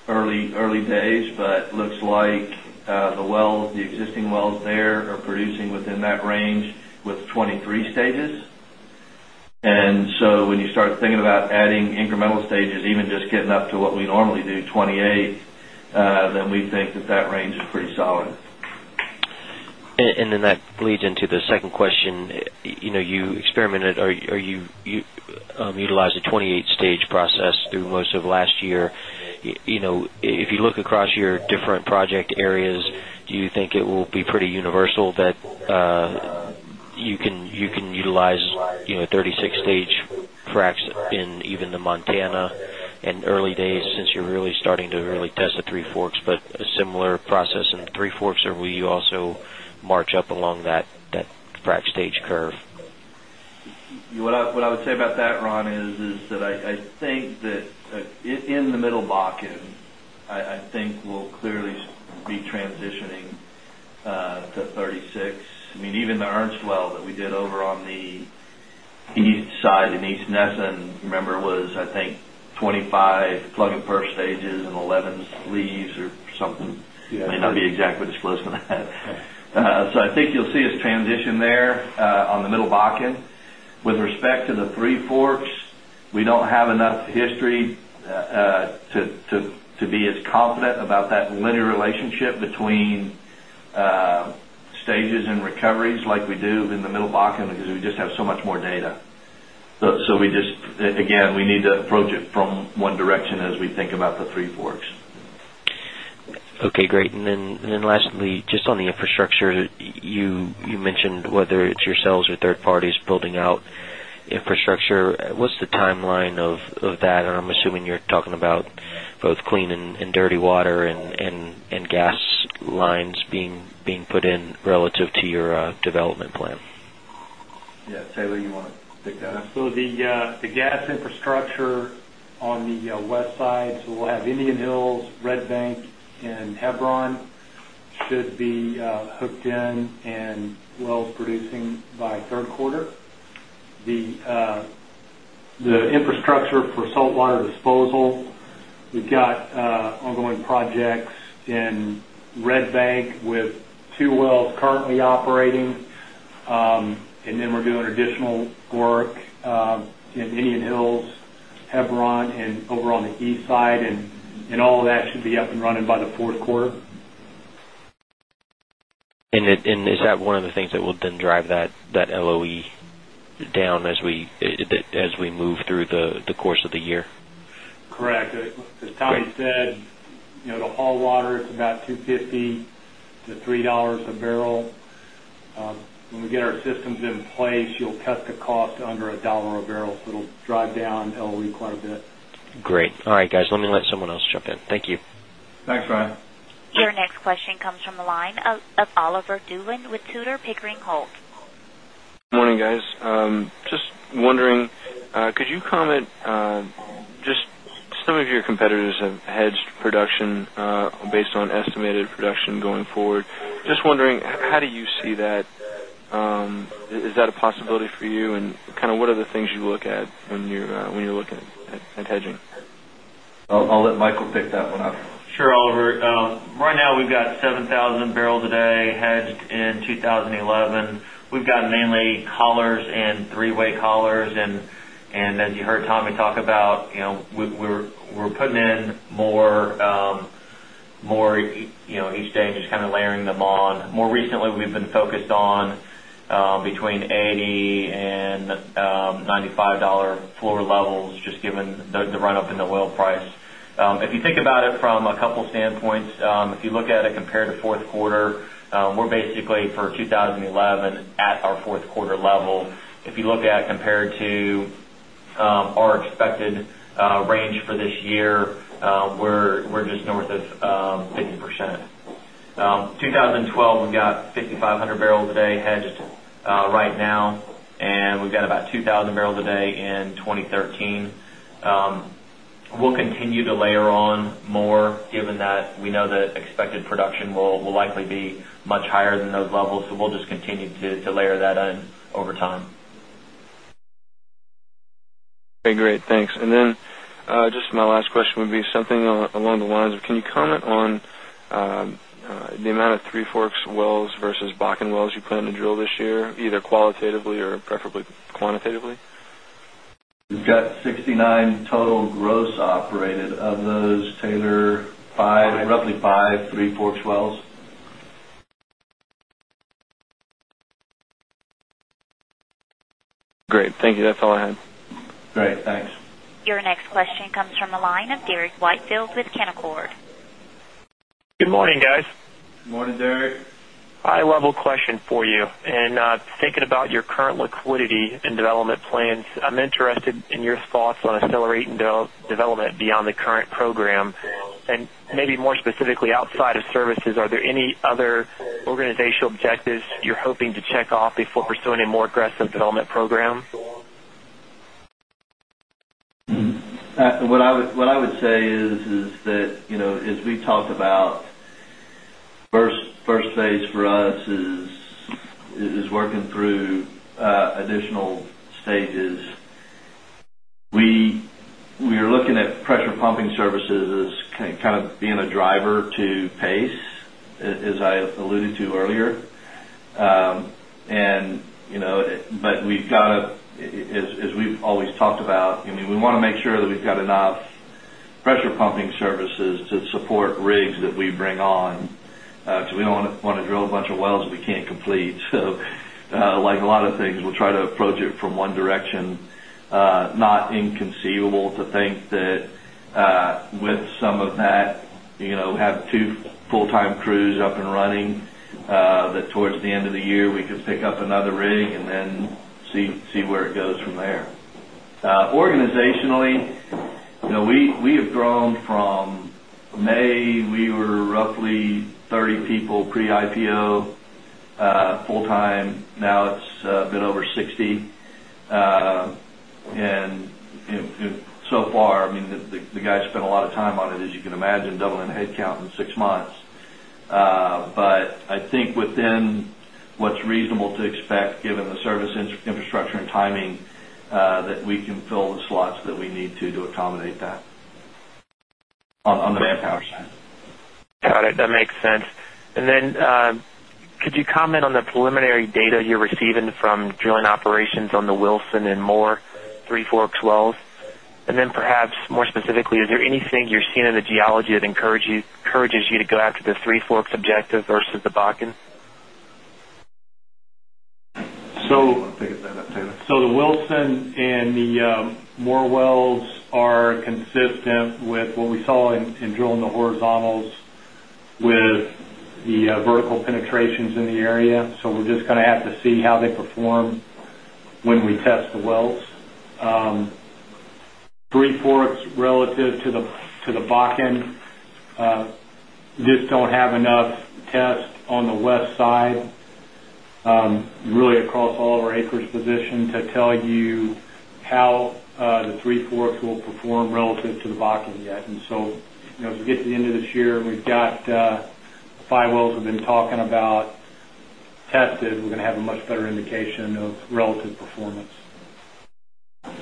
early days, but looks like the well the existing wells there are producing within that range with 23 stages. And so when you start thinking about adding incremental stages, even just getting up to what we normally do 28, then we think that that range is pretty solid. And then that leads into the second question. You utilized a 28 stage process through most of last year. If you look across your different project areas, do you think it will be pretty universal that you can utilize 30 6 stage fracs in even the Montana in early days since you're really starting to really test the Three Forks, but a similar process in the Three Forks or will you also march up along that frac stage curve? What I would say about that Ron is that I think that in the middle Bakken, I think we'll clearly be transitioning to 36. I mean even the Ernst well that we did over on the East side in East Nesson, remember was I think 25 plug and perf stages and 11 sleeves or something, may not be exactly disclosed. So I think you'll see us transition there on the middle Bakken. With respect to the Three Forks, we don't have enough history to be as confident about that linear relationship between stages and recoveries like we do in the Middle Bakken because we just have so much more data. So we just again, we need to approach it from one direction as we think about the Three Forks. Okay, great. And then lastly, just on the infrastructure, infrastructure, you mentioned whether it's yourselves or third parties building out infrastructure. What's the timeline of that? I'm assuming you're talking about both clean and dirty water and gas lines being put in relative to your development plan? Yes. Taylor, you want to take that? So the gas infrastructure on the west side, we'll have Indian Hills, Red Bank and Hebron should be hooked in and wells producing by Q3. The infrastructure for saltwater disposal, we've got ongoing work in Indian Hills, Hebron and over on the East side and all of that should be up and running by the Q4. And is that one of the things that will then drive that LOE down as we dollars to dollars to $3 a barrel. When we get our systems in place, you'll cut the cost under $1 a barrel, so it'll down LOE quite a bit. Great. All right, guys. Let me let someone else jump in. Thank you. Thanks, Ryan. Your next question comes from the line of Oliver Dulin with Tudor, Pickering, Holt. Good morning, guys. Just wondering, could you comment just some of your competitors have hedged production based on estimated production going forward. Just wondering how do you see that? Is that a possibility for you? And kind of what are the things you look at when you're looking at hedging? I'll let Michael pick that one up. Sure, Oliver. Right now, we've got 7,000 barrels a day hedged in 2011. We've got mainly collars and three way collars. And as you heard Tommy talk about, we're putting in more each day and just kind of layering them on. More recently, we've been focused on between $80 $95 floor levels, just given the run up in the oil price. If you think about it from a couple of standpoints, if you look at it compared to Q4, we're basically for 2011 at our 4th quarter level. If you look at it compared to our expected range for this year, we're just north of 50%. 2012, we've got 5,500 barrels a day hedged right now and we've got about 2,000 barrels a day in 2013. We'll continue to layer on more given that we know that expected production will likely be much higher than those levels. Something along the lines of can you comment on the something along the lines of can you comment on the amount of Three Forks wells versus Bakken wells you plan to drill this year, either qualitatively or preferably quantitatively? We've got 69 total gross operated of those Taylor 5 roughly 5 3, 4, 12 wells. Great. Thank you. That's all I had. Great. Thanks. Your next question comes from the line of Derrick Whitefield with Canaccord. Good morning, guys. Good morning, Derrick. High level question for you. And thinking about your current liquidity in development plans, I'm interested in your thoughts on accelerating development beyond the current program. And maybe more specifically outside of services, are there any other organizational objectives you're hoping to check off before pursuing a more aggressive development program? What I would say is that as we talked about 1st phase for us is working through additional stages. We are looking at pressure pumping services as kind of being a driver to pace, as I alluded to earlier. But we've got to, as we've always talked about, we want to make sure that we've got enough pressure pumping services to support rigs that we bring on. So we don't want to drill a bunch of wells that we can't complete. So like a lot of things, we'll try to approach it from one direction. Not inconceivable to think that with some of that, we have 2 full time crews up and running, that towards the end of the year we can pick up another rig and then see where it goes from there. Organizationally, we have grown from May, we were roughly 30 people pre IPO full time. Now it's a bit over 60. And so far, I mean, the guys spent a lot of time on it, as you can imagine, doubling headcount in 6 months. But I think within what's reasonable to expect, given the service infrastructure and timing that we can fill the slots that we need to accommodate that on the manpower side. Got it. That makes sense. And then could you comment on the preliminary data you're receiving from drilling operations on the Wilson and Moore Three Forks wells? And then perhaps more specifically, is there anything you're seeing in the geology that encourages you to go after the Three Forks objective versus the Bakken? So the Wilson and the Moore wells are consistent with what we saw in drilling the horizontals with the vertical penetrations in area. So we're just going to have to see how they perform when we test the wells. Three Forks relative to the Bakken Just don't have enough test on the West side, really across all of our acres position to tell you how the Threefour will perform relative to the Bakken yet. And so as we get to the end of this year, we've got 5 wells we've been talking about tested, we're going to have a much better indication of relative performance. Okay.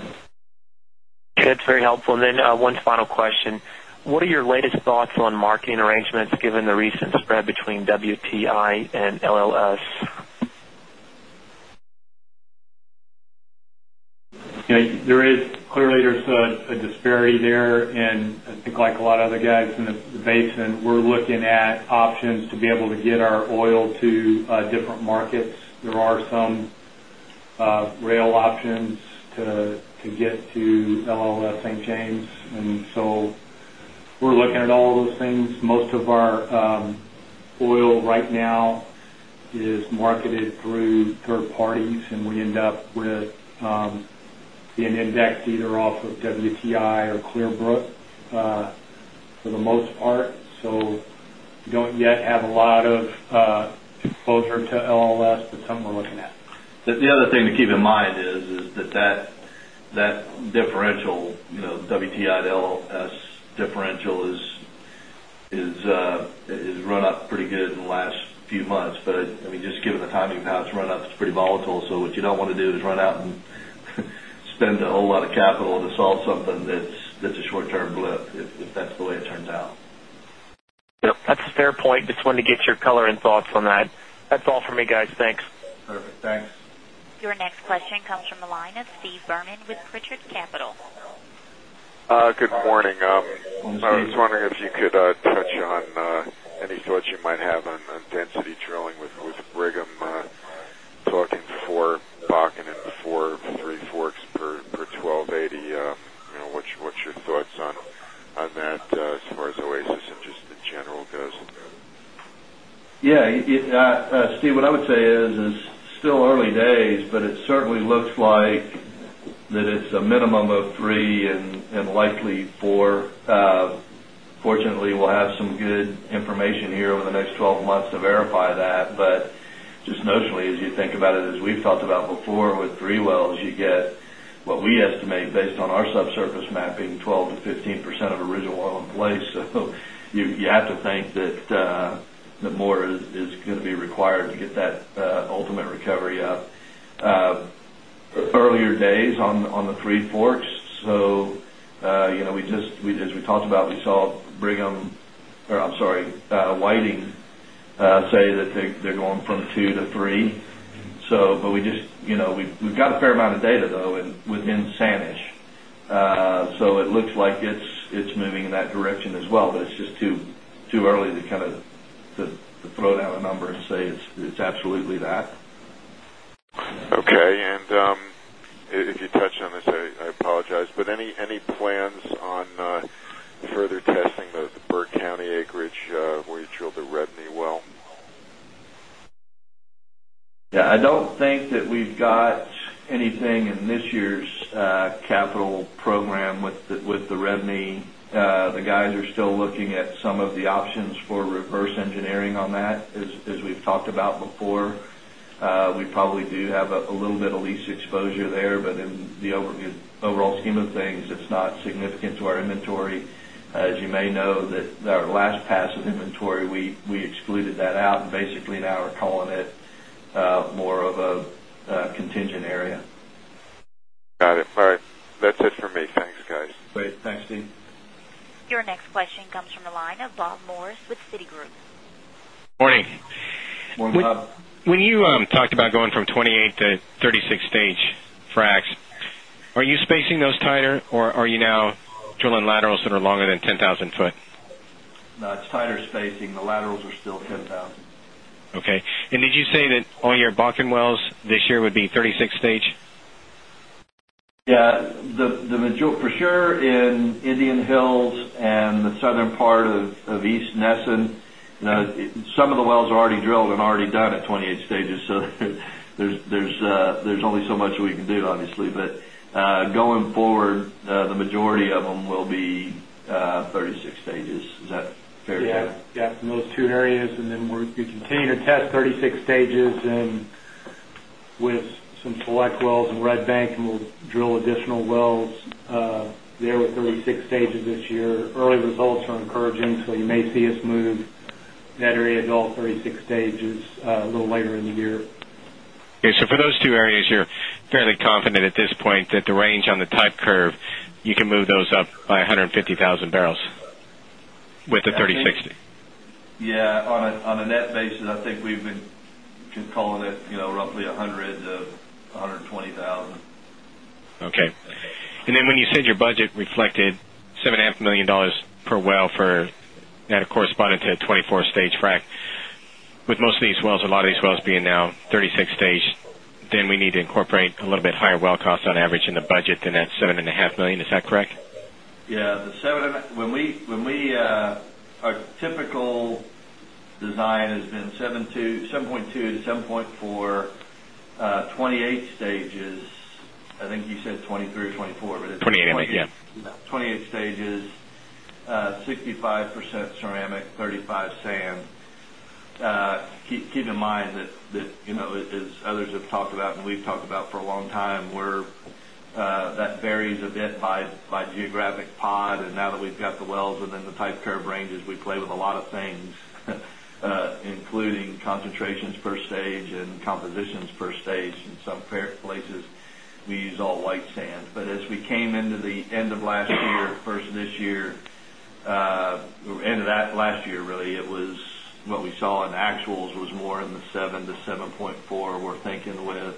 It's very helpful. And then one final question. What are your latest thoughts on marketing arrangements given the recent spread between WTI and LLS? There is clearly there's a disparity there. And I think like a lot of other guys in the basin, we're looking at options to be able to get our oil to different markets. There are some rail options to get to LLS St. James. And so we're looking at all those things. Most of our oil right now is marketed through 3rd parties and we end up with an index either off of WTI or Clearbrook for the most part. So we don't yet have a lot of closure to LLS, but some we're looking at. The other thing to keep in mind is that that differential, WTI to LLS differential has run up pretty good in the last few months. But just given the timing of how it's run up, it's pretty volatile. So what you don't want to do is run out and spend a whole lot of capital to solve something that's a short term blip if that's the way it turns out. That's a fair point. Just wanted to get your color and thoughts on that. That's all for me guys. Thanks. Perfect. Thanks. Your next question comes from the line of Steve Berman with Pritchard Capital. Good morning. I was wondering if you could touch on any thoughts you might have on density drilling with Brigham talking for Bakken and 4, 3 forks per 12.80. What's your thoughts on that as far as Oasis and just in general goes? Yes, Steve, what I would say is, it's still early days, but it certainly looks like that it's a minimum of 3 and likely 4. Fortunately, we'll have some good information here over the next 12 months to verify before with 3 wells, you get what we estimate based on our subsurface mapping 12% to 15% of original oil in place. So you have to think that more is going to be required to get that ultimate recovery up. Three Forks, so as we talked about, we saw Brigham I'm sorry, Whiting say that they're going from 2 to 3. So, but we just we've got a fair amount of data though within Sanish. So, it looks like it's moving in that direction as well, but it's just too early to kind of throw down a number and say it's absolutely that. Okay. And if you touch on this, I apologize, but any plans on further testing of the testing the Burke County acreage where you drilled the REBNY well? Yes. I don't think that we've got anything in this year's capital program with the revenue. The guys are still looking at some of the options for reverse engineering on that as we've talked about before. We probably do have a little bit of lease exposure there, but in the overall scheme of things, it's not significant to our inventory. As you may know that our last pass of inventory, we excluded that out and basically now we're calling it more of a contingent area. Got it. All right. That's it for me. Thanks guys. Thanks, Steve. Your next question comes from the line of Bob Morris with Citigroup. Good morning. Good morning, Bob. When you talked about going from 28 to 36 stage fracs, are you spacing those tighter or are you now drilling laterals that are longer than 10 1,000 foot? No, it's tighter spacing. The laterals are still 10,000. Okay. And did you say that all your Bakken wells this year would be 30 6 stage? Yes. The module for sure in Indian Hills and the southern part of East Nesson, some of the wells are already drilled and already done at 28 stages. So there's only so much we can do obviously. But going forward, the majority of them will be 36 stages. Is that fair to say? Yes, yes. In those two areas and then we're continuing to test 36 stages and with some select wells in Red Bank and we'll drill additional wells there with 36 stages this year. Early results are encouraging, so you may see us move that area to all 36 stages a little later in the year. Okay. So for those two areas, you're fairly confident at this point that the range on the type curve, you can move those up by 150,000 barrels with the 30,060? Yes. On a net basis, I think we've been calling it roughly $100,000 to $120,000 Okay. And then when you said your budget reflected $7,500,000 per well for that of correspondent to 24 stage frac, with most of these wells, a lot of these wells being now 36 stage, then we need to incorporate a little bit higher well cost on average in the budget than that $7,500,000 Is that correct? Yes. The $7,000,000 when we our typical design has been 7.2 to 7.4, 28 stages. I think you said 23 or 24. 28 stages, 65% ceramic, 35% sand. Keep in mind that as others have talked about and we've talked about for a long time, we're that varies a bit by geographic pod. And now that we've got the wells within the type curve ranges, we play with a lot of things, including concentrations per stage and compositions per stage in some compositions per stage in some places we use all white sand. But as we came into the end of last year, 1st of this year, end of that last year really, it was what we saw in actuals was more in the 7% to 7.4%. We're thinking with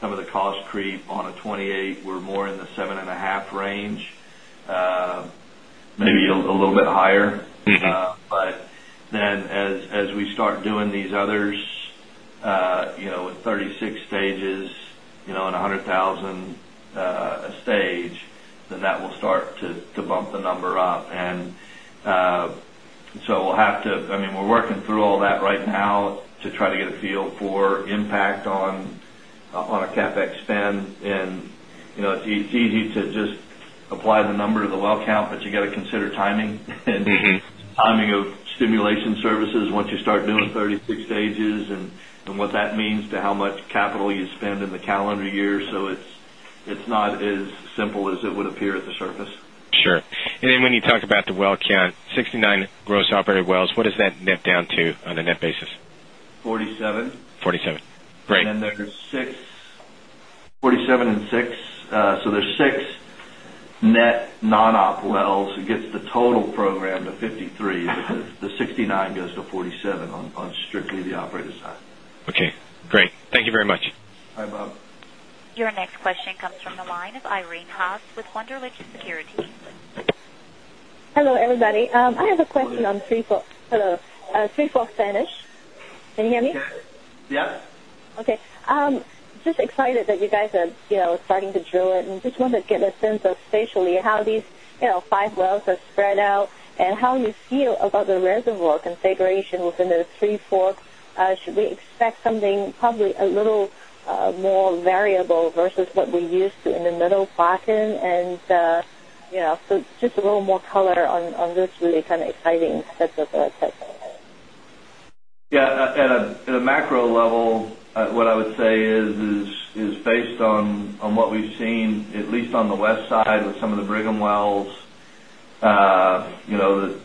some of the cost creep on a 28 were more in the 7.5 range, maybe a little bit higher. But then as we start doing these others with 36 stages and 100 1,000 stage, then that will start to bump the number up. And so we'll have to I mean, we're working through all that right now to try to get a feel for impact on our CapEx spend. And it's easy to just apply the number to the well count, but you got to consider timing and timing of stimulation services once you start doing 36 stages and what that means to how much does that net down to on a net basis? 47. 47. Does that net down to on a net basis? 47. 47. Great. And then there's 6 47 and 6. So, there's 6 net non op wells against the total program to 53, the 69 goes to 47 on strict the operator side. Okay, great. Thank you very much. Hi, Bob. Your next question comes from the line of Irene Haas with Wunderlich Securities. Hello, everybody. I have a question on 3 for Spanish. Can you hear me? Yes. Okay. Just excited that you guys are starting to drill it and just want to get a sense of spatially how these 5 wells are spread out and how you feel about the reservoir configuration within the Three Forks? Should we expect something probably a little more variable versus what we used to in the middle Bakken? And so just a little more color on this really kind of exciting set of a pipeline? Yes. At a macro level, what I would say is based on what we've seen at least on the west side with some of the Brigham wells, the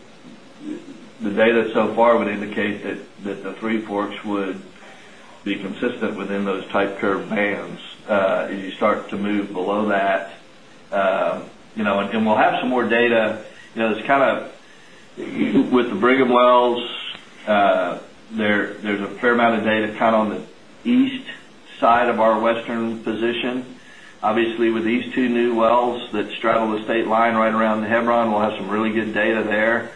data so far would indicate that the Three Forks would be consistent within those type curve bands. As you start to move below that and we'll have some more data. It's kind of with the Brigham wells, there's a fair amount of data kind of on the east side of our western position. Obviously, with these 2 new wells that straddle the state line right around the Hebron, we'll have some really good data there.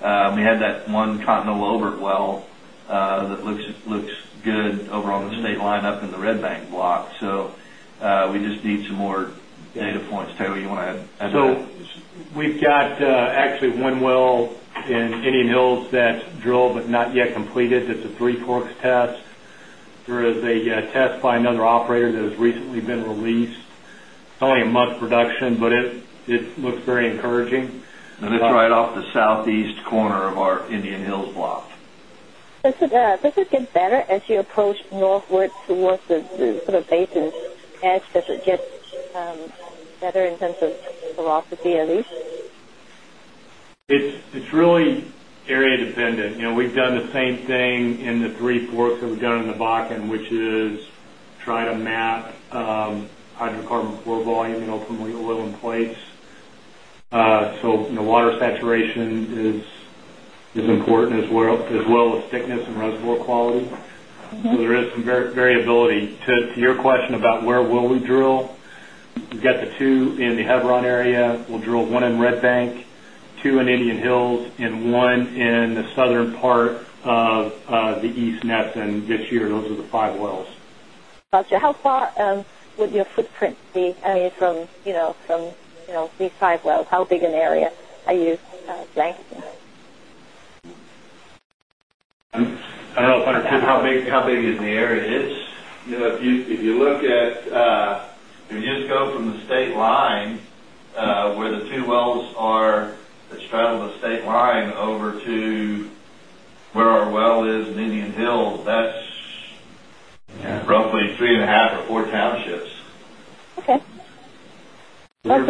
We had that 1 Continental Overt well that looks good over on the state lineup in the Red Bank block. So, we just need some more data points. Taylor, you want to add? So we've got actually one well in Indian Hills that's drilled but not yet completed. It's a 3 corks test. There is a test by another operator that has recently been released. It's only a month production, but it looks very encouraging. And it's right off the southeast corner of our Indian Hills block. Does it get better as you approach northward towards the sort of basis edge? Does it get better in terms of velocity at least? It's really It's really area dependent. We've done the same thing in the 3 ports that we've done in the Bakken, which is try to map hydrocarbon pour volume ultimately a little in place. So water saturation is important as well as thickness and reservoir quality. So there is some variability. To your question about where will we drill, we've got the 2 in the Hebron area. We'll drill 1 in Red Bank, 2 in Indian Hills and one in the southern part of the East Knutsen this year. Those are the 5 wells. Got you. How far would your footprint be from these 5 wells? How big an area are you blanking? I don't understand how big is the area. If you look at if you just go from the state line, where the 2 wells are that straddle the state line over to where our well is in Indian Hill, that's roughly 3.5 or 4 townships. Okay. Your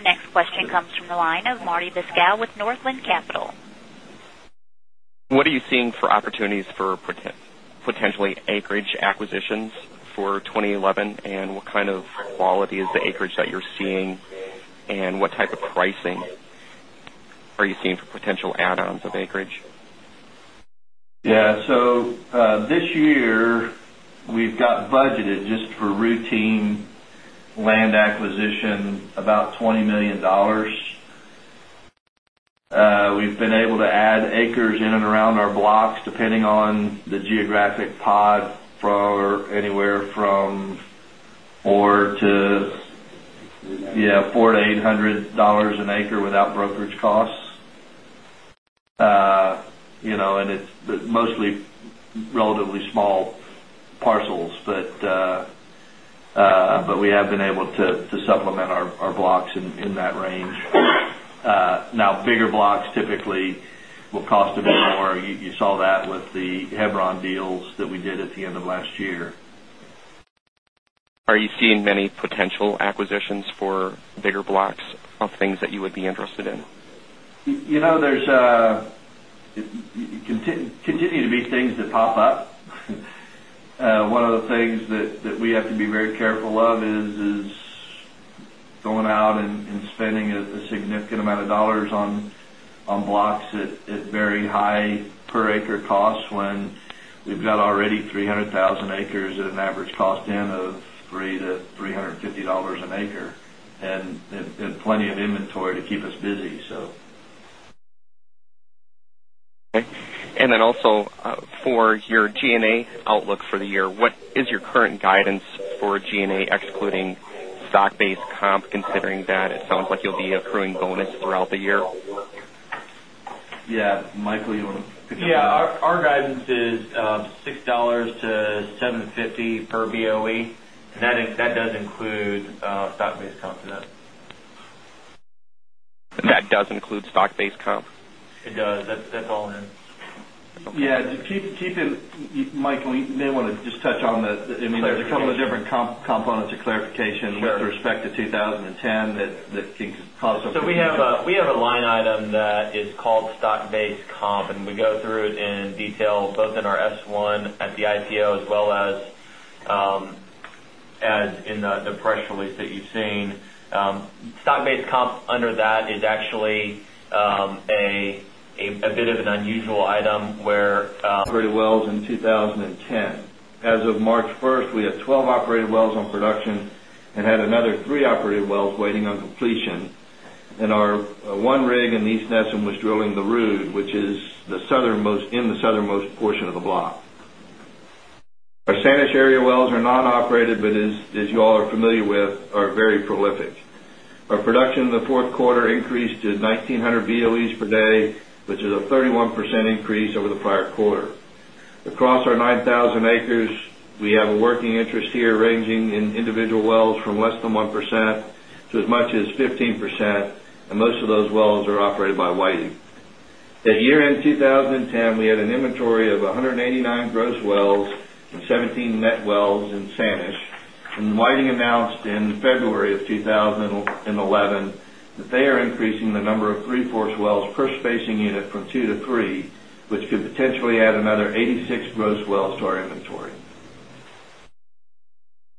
next question comes from the line of Marty with Northland Capital. What are you seeing for opportunities for potentially acreage acquisitions for 20 11 11? And what kind of quality is the acreage that you're seeing? And what type of pricing are you seeing for just for routine land acquisition about $20,000,000 We've been able to add acres in and around our blocks depending on the geographic pod for anywhere from 4 to $400 to $800 an acre without brokerage costs. And it's mostly relatively small parcels, but we have been able to supplement our blocks in that range. Now bigger blocks typically will cost a bit more. You saw that with the Hebron deals that we did at the end of last year. Are you seeing many potential acquisitions for bigger blocks of things that you would be interested in? There's continue to be things that pop up. One of the things that we have to be very careful of is going out and spending a significant amount of dollars on blocks at very high per acre costs when we've got already 300,000 acres at an average cost in of $3 to $3.50 an acre and plenty of inventory to keep us busy. Okay. And then also for your G and A outlook for the year, what is your current guidance for G and A excluding stock based comp considering that it sounds like you'll be accruing bonus throughout the year? Yes. Michael, you want to Yes. Our guidance is $6 to $7.50 per BOE. That does include stock based comp to that. That does include stock based comp? It does. That's all in. Yes. Keith and Mike, we may want to just touch on that. I mean, there's a couple of different components of clarification 10 that can cause some So we have a line item that is called stock based comp and we go through it in detail both in our S-one at the IPO as well as in the press release you've seen. Stock based comp under that is actually a bit of an unusual item where wells in 2010. As of March 1, we had 12 operated wells on production and had another 3 operated wells waiting on completion. And our 1 rig in East Nesson was drilling the Rude, which is in the southernmost portion of the block. Our Sanish Area wells are non operated, but as you all are familiar with, are very prolific. Our production in the 4th quarter increased to 1900 BOEs per day, which is a 31% increase over the prior quarter. Across our 9,000 acres, we have a working interest here ranging in individual wells from less than 1% to as much as 15% and most of those wells are operated by Whiting. At year end 20 we had an inventory of 189 gross wells and 17 net wells in Sanish and Whiting announced in February of gross wells to our inventory.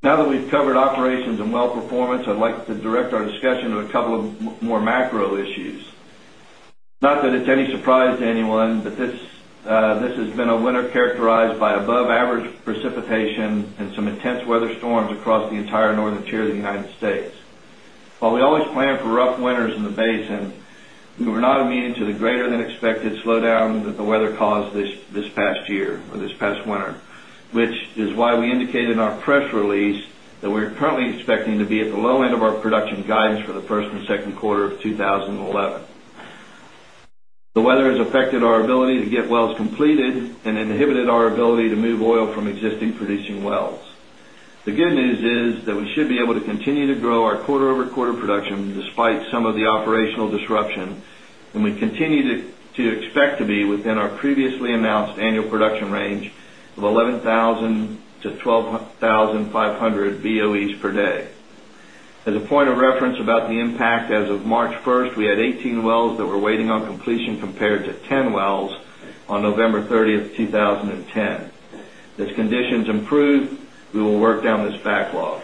Now that we've covered operations and well performance, I'd like to direct our discussion to a couple of more macro issues. Not that it's any surprise to anyone, but this has been a winner characterized by above precipitation and some intense weather storms across the entire northern tier of the United States. While we always plan for rough winters in the basin, we were not immune to the greater than expected slowdown that the weather caused this past year or this past winter, which is why we indicated in our press release that we are currently expecting to be at the low end of our production guidance for the 1st and second quarter of 2011. The weather has affected our ability to get wells inhibited our ability to move oil from existing producing wells. The good news is that we should be able to continue to grow our quarter over quarter production despite some of the operational disruption and we continue to expect to be within our previously announced annual as of March 1, we had 18 wells that were waiting on completion compared to 10 wells on November 30, 2010. As conditions improve, we will work down this backlog.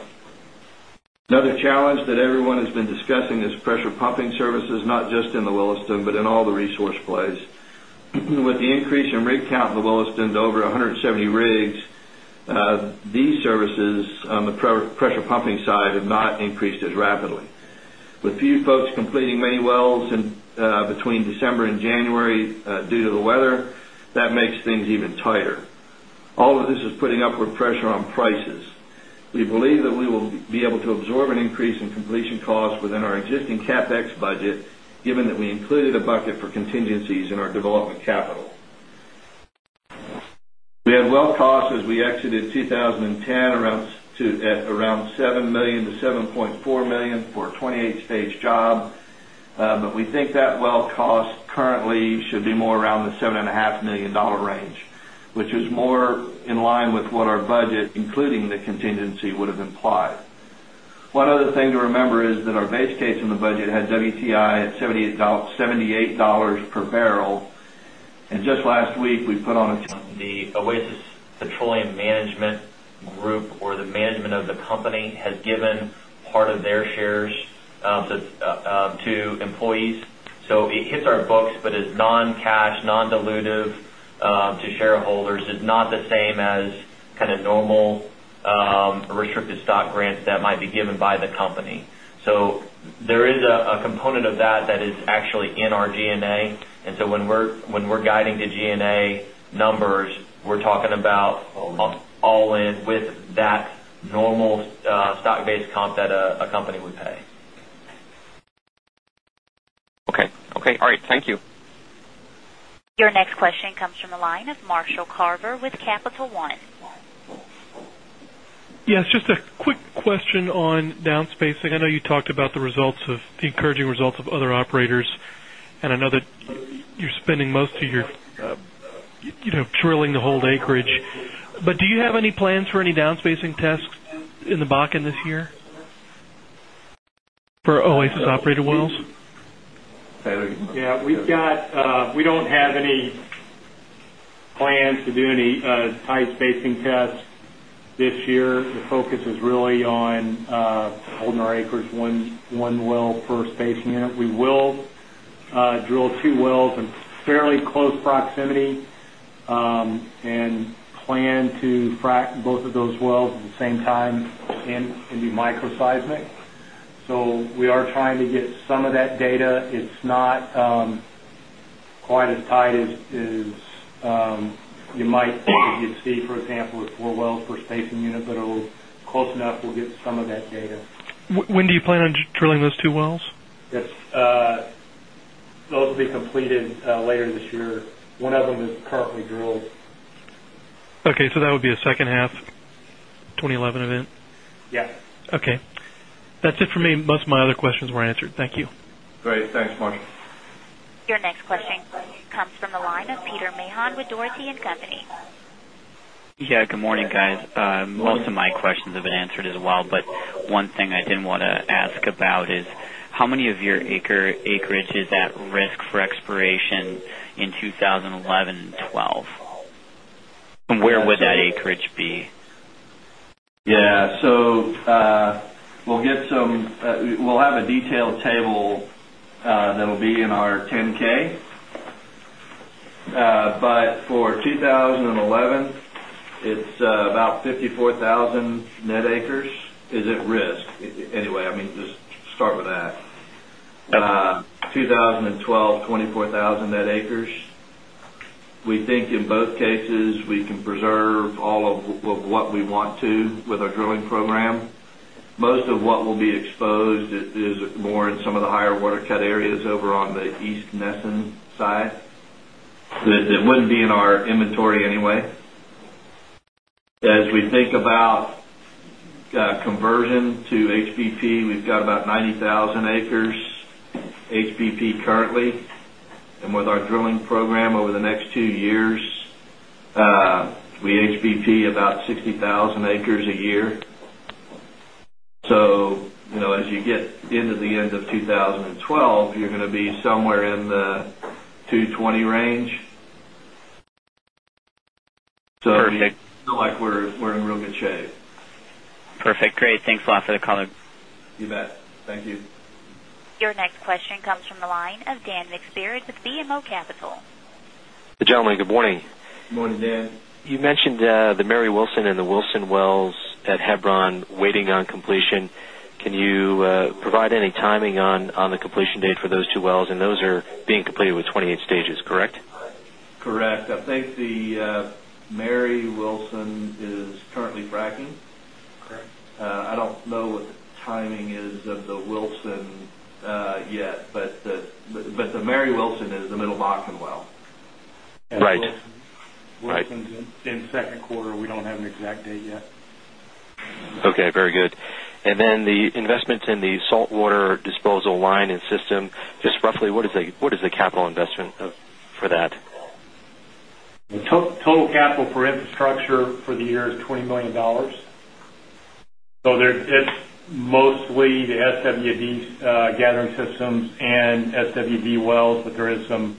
Another challenge that everyone has been discussing is pressure pumping services, not just in the Williston, but in all the resource plays. With the increase in rig count in the Williston to over 170 rigs, these services on the pressure pumping side have not increased as rapidly. With few folks completing many wells between December January due to the weather, that makes things even tighter. All of this is putting upward pressure on prices. We believe that we will be able to absorb an increase in completion costs within our existing CapEx budget given that we included a bucket for contingencies in our development capital. We had well costs as we exited 2010 at around $7,000,000 to 7,400,000 dollars for a 28 stage job. But we think that well cost currently should be more around the $7,500,000 range, which is more in line with what our budget including the contingency would have implied. One other thing to remember is that our base case in the budget had WTI at $78 per barrel. And just last week, we put on to employees. So, it hits our books, but it's non cash, non dilutive to shareholders. It's not the same as of normal restricted stock grants that might be given by the company. So, there is a component of that that is actually in our G and A. And so, when we're guiding the G and A numbers, we're talking about all in with that normal stock based comp that a a company would pay. Okay. All right. Thank you. Your next question comes from the line of Marshall Carver with Capital results of other operators. And I know that you're spending most of your drilling the whole acreage. But do you have any plans for any down spacing tests in the Bakken this year for Oasis operated wells? Tyler, you can go ahead. Yes. We've got we don't have any plans to do any tight spacing tests this year. The focus is really on holding our acres 1 well per spacing unit. We will drill 2 wells in fairly close proximity and plan to frac both of those wells at the same time and be microseismic. So we are trying to get some of that data. It's not quite as tight as you might see for example 4 wells per spacing it will close enough we'll get some of that data. When do you plan on drilling those 2 wells? Yes. Those will be completed later this year. One of them is currently drilled. Okay. So that would be a second half twenty eleven event? Yes. Okay. That's it for me. Most of my other questions were answered. Thank you. Great. Thanks, Marty. Your next question comes from the line of Peter Mahan with Dougherty and Company. Yes. Good morning, guys. Most of my questions have been answered as well. But one thing I didn't want to ask about is how many of your acreage is at risk for exploration in 2011, 2012? And where would that acreage be? Yes. So we'll get some we'll have a detailed table that will be in our 10 ks, but for 2011, it's about 54,000 net acres is at risk. Anyway, I mean just start with that. 2012, 24,000 net acres, we think in both cases, we can preserve all of what we want to with our drilling program. Most of what will be exposed is more in some of the higher cut areas over on the East Nesen side that wouldn't be in our inventory anyway. As we think about conversion to HBP, we've got about 90,000 acres HBP currently. And with our drilling program over the next 2 years, we HBP about 60,000 acres a year. So as you get into the end of 2012, you're going to be somewhere in the 220,000 range. So we feel like we're in real good shape. Perfect. Great. Thanks a lot for the color. You bet. Thank you. Your next question Wilson and the Wilson wells at Hebron waiting on completion. Can you provide any timing on the completion date for those 2 wells and those are being completed with 28 stages, correct? Correct. I think the Mary Wilson is currently fracking. Correct. I don't know what the timing is of the Wilson yet, but the Mary Wilson is the middle Bakken well. Right. In the second quarter, we don't have an exact date yet. Okay, very good. And then the investments in the saltwater disposal line and system, just roughly what is the capital investment for that? Total capital for infrastructure for the year is $20,000,000 So there is mostly the SWD gathering systems and SWD wells, but there is some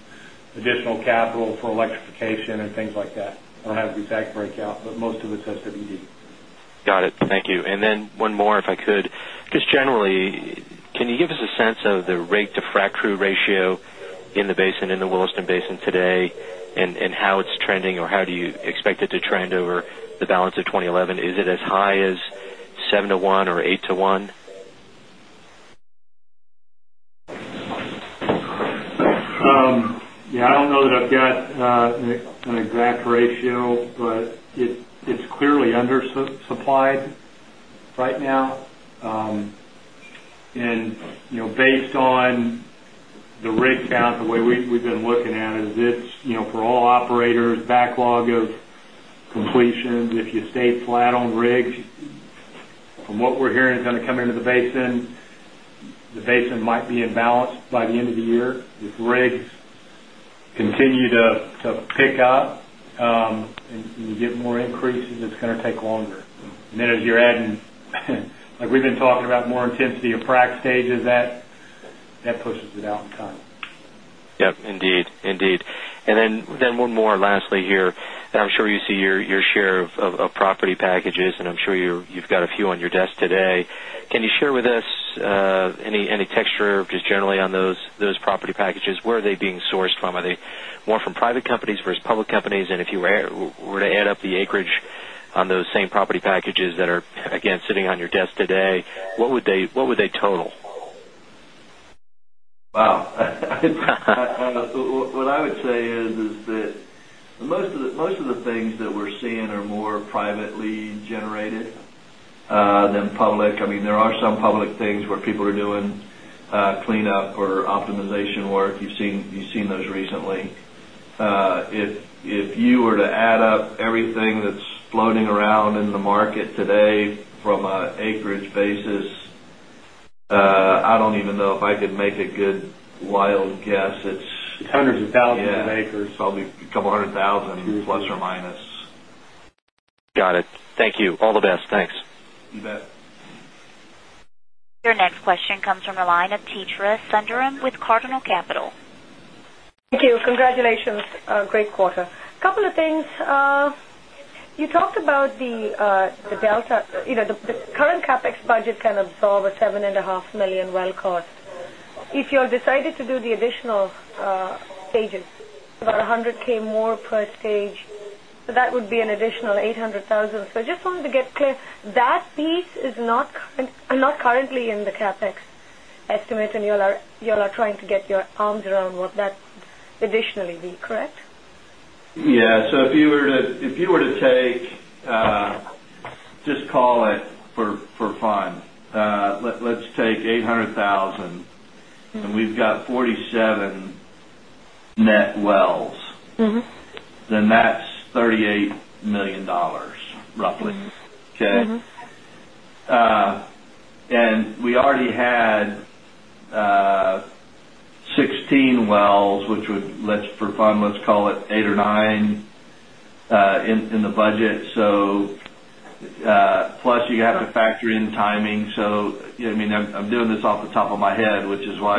additional capital for electrification and things like that. I don't have the exact breakout, but most of it is SWD. Got And then one more if I could. Just generally, can you give us a sense of the rate to frac crew ratio in the basin in the Williston Basin today and how it's trending or how do you expect it to trend over the balance of 20 11? Is it as high as don't know that I've got an exact ratio, but it's clearly undersupplied right now. And based on the rig count, the way we've been looking at it is it's for all operators backlog of completions. If you stay flat on rigs, from what we're hearing is going to come into the basin, the basin might be in in balance by the end of the year. If rigs continue to pick up and you get more increases, it's going to take longer. And then as you're adding, like we've been talking about more intensity of frac stages that pushes it out in time. Yes, indeed. And then one more lastly here. I'm sure you see your share of property packages and I'm sure you've got a few on your desk today. Can you share with us any texture just generally on those property packages? Where are they being sourced from? Are they more from private companies versus public companies? And if you were to add up the acreage on those same property packages that are again sitting on your desk today, what would they total? Well, what I would say is that most of the things that we're seeing are more privately generated than public. I mean, there are some public things where people are doing cleanup or optimization work. You've seen those recently. If you were to add up everything that's floating around in the market today from an acreage basis, I don't even know if I could make a good wild guess. It's 100 of 1000 acres. Probably a couple 100000 plus or minus. Got it. Thank you. All the best. Thanks. You bet. Your next question comes from the line of Teitra Sundaram with Cardinal Capital. Thank Congratulations. Great quarter. Couple of things. You talked about the delta the current CapEx budget can saw the 7,500,000 well cost. If you have decided to do the additional stages, about 100,000 more per stage, So that would be an additional 800,000. So I just wanted to get clear that piece is not currently in the CapEx estimate and you all are trying to get your arms around what that additionally be, correct? Yes. So if you were to take just call it for fun, let's take 800 $1,000 and we've got 47 net wells, then that's 38 $1,000,000 roughly. Okay? And we already had 16 wells, which would, let's for fun, let's call it 8 or 9 in the budget. So plus you got to factor in timing. So I mean, I'm doing this off the top of my head, which is why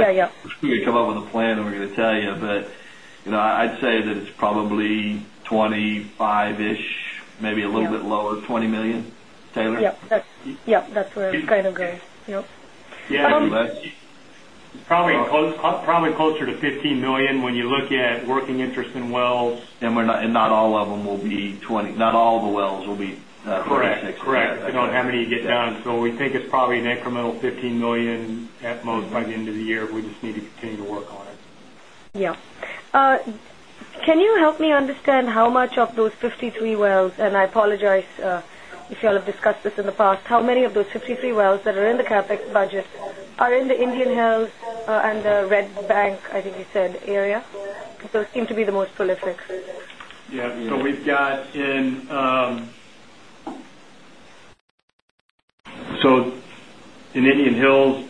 we're going to come up with a plan and we're going to tell you. But I'd say that it's probably 25 ish, maybe a little bit lower, dollars 20,000,000 Taylor? Yes. That's was kind of great. Yes. Probably closer to $15,000,000 when you look at working interest in wells and not all of them will be $20,000,000 not all of the wells will be $26,000,000 Correct. I don't have any to get down. So we think it's probably an incremental $15,000,000 at most by the end of the year. We just need to continue to work on it. Yes. Can you help me understand how much of those 53 wells and apologize if you all have discussed this in the past, how many of those 53 wells that are in the CapEx budget are in the Indian Hills and the Red Bank, I think you said, area? So, it seem to be the most prolific. Yes. We've got in So in Indian Hills,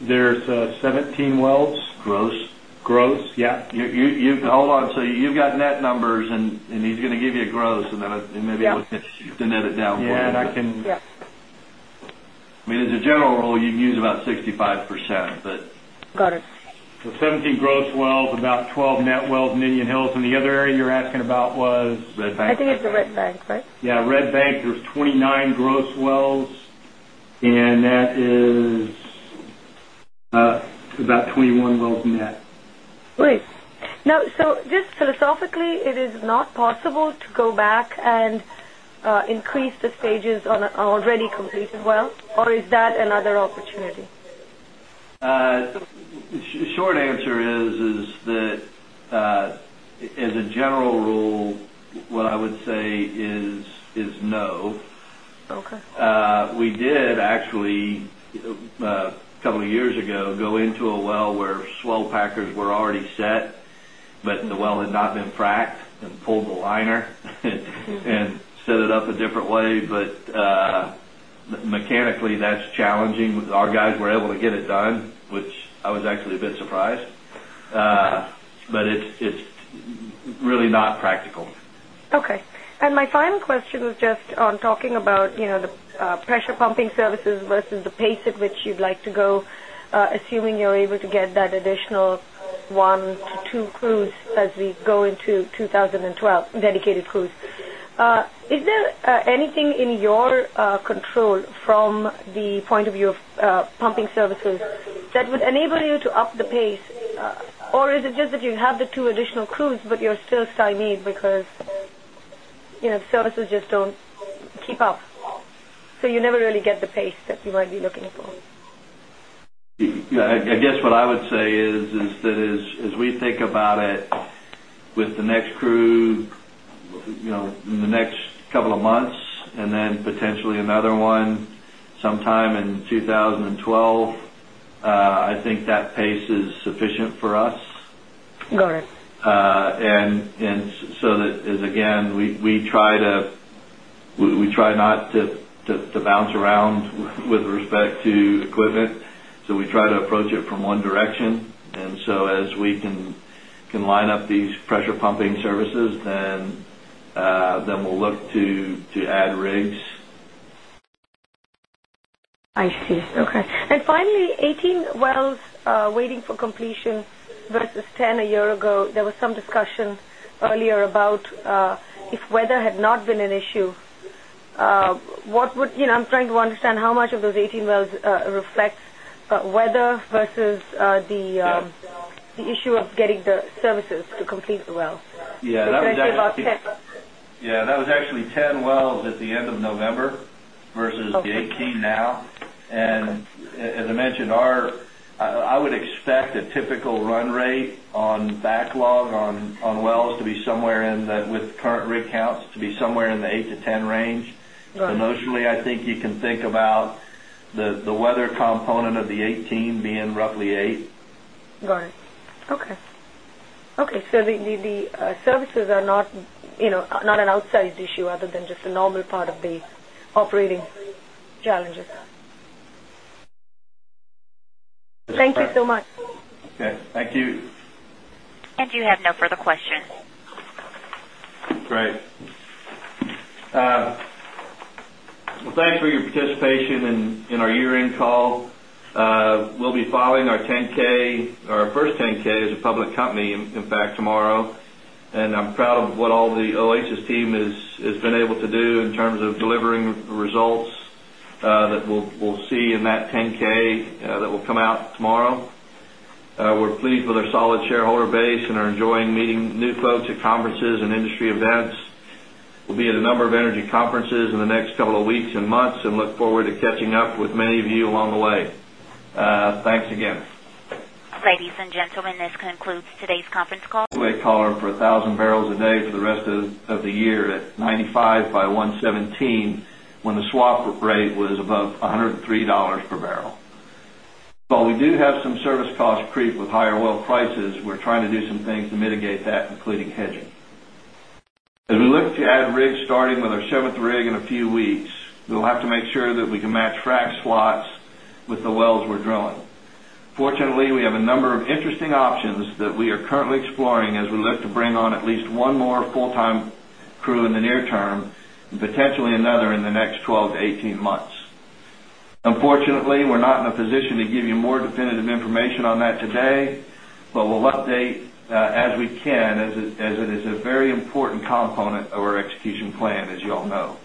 there's 17 wells? Gross. Gross, yes. Hold on. So you've got net numbers and he's going to give you a gross and then maybe I'll hit you to net it down for me. Yes. I mean as a general rule, you use about 65%, but Got it. So 17 gross wells, about 12 net wells in Indian Hills. And the other area you're asking about was Red Bank. I think it's the Red Bank, right? Yes, Red Bank, there's 29 gross wells and that is about 21 wells net. Great. Now so just philosophically, it is not possible to go back and increase the stages on already completed well? Or is that another opportunity? Short answer is that as a general rule, what I would say is no. Okay. We did actually a couple of years ago go into a well where slow packers were already set, but the well had not been fracked and pulled the liner and set it up a different way. But mechanically that's challenging with our guys were able to get it done, which I was actually a bit surprised. But it's really not practical. Okay. And my final question is just on talking about the pressure pumping services versus the pace at which you'd like to go, assuming you're able to get that additional 1, 2 crews as we go into 2012 dedicated crews. Is there anything in your control from the point of view of pumping services that would enable you to up the pace? Or is it just that you have the 2 additional crews, but you're still Saaved because services just keep up. So you never really get the pace that you might be looking for. I guess what I would say is that as we think about it with the next crew in the next couple of months and then potentially another one sometime in 2012. I think that pace is sufficient for us. And so that is again, we try to we try not to bounce around with respect to equipment. So we try to approach it from one direction. And so as we can line up these pressure pumping services, then we'll look to add rigs. I see. Okay. And finally, 18 wells waiting for completion versus 10 a year ago, there was some discussion earlier about if weather had not been an issue. What would I'm trying to understand how much of those 18 wells reflects weather versus the issue of getting the services to complete the well? Yes. That was actually 10 wells at the end of November versus the 18 now. And as I mentioned, our I would expect a typical run rate on backlog on wells to be somewhere in that with current rig counts to be somewhere in the 8% to 10% range. Emotionally, I think you can think about the weather component of the 2018 being roughly 8. Got it. Okay. Okay. So the services are not an outsized issue other than just a a normal part of the operating challenges. Thank you so much. Okay. Thank you. And you have no further questions. Great. Well, thanks for your participation in our year end call. We'll be filing our 10 ks, our first 10 ks as a public company, in fact, tomorrow. And I'm proud of what all the Oh's team has been able to do in terms of delivering results that we'll see in that 10 ks that will come out tomorrow. We're pleased with our solid shareholder base and are enjoying meeting new folks at conferences and industry events. We'll be at a number of energy conferences in the next couple of weeks months and look forward to catching up with many of you along the way. Thanks again. We had color for 1,000 barrels a day for the rest of the year at 95 by 1.17 when the swap rate was above $103 per barrel. While we do have some service cost creep with higher oil prices, oil prices, we're trying to do some things to mitigate that, including hedging. As we look to add rigs starting with our 7th rig in a few weeks, we'll have to make sure that we can match frac slots with the wells we're drilling. Fortunately, we have a number of interesting options that we are currently exploring as we look to bring on at least one more full time crew in the near term and potentially another in the next 12 to 18 months. Unfortunately, we're not in a position to give you more definitive information on that today, but we'll update as we can as it is a very important component of our execution plan as you all know.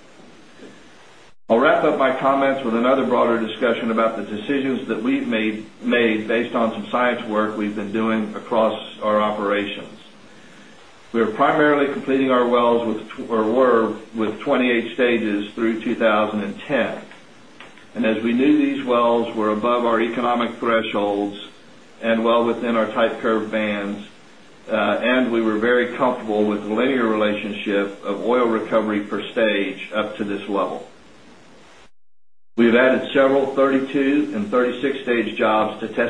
I'll wrap up my comments with another broader discussion about the decisions that made based on some science work we've been doing across our operations. We are primarily completing our wells with or were with 28 stages through 2010. And as we knew these wells were above our economic thresholds and well within our type curve bands and we were very comfortable with the linear relationship of oil recovery per stage up to this level. We have added several 32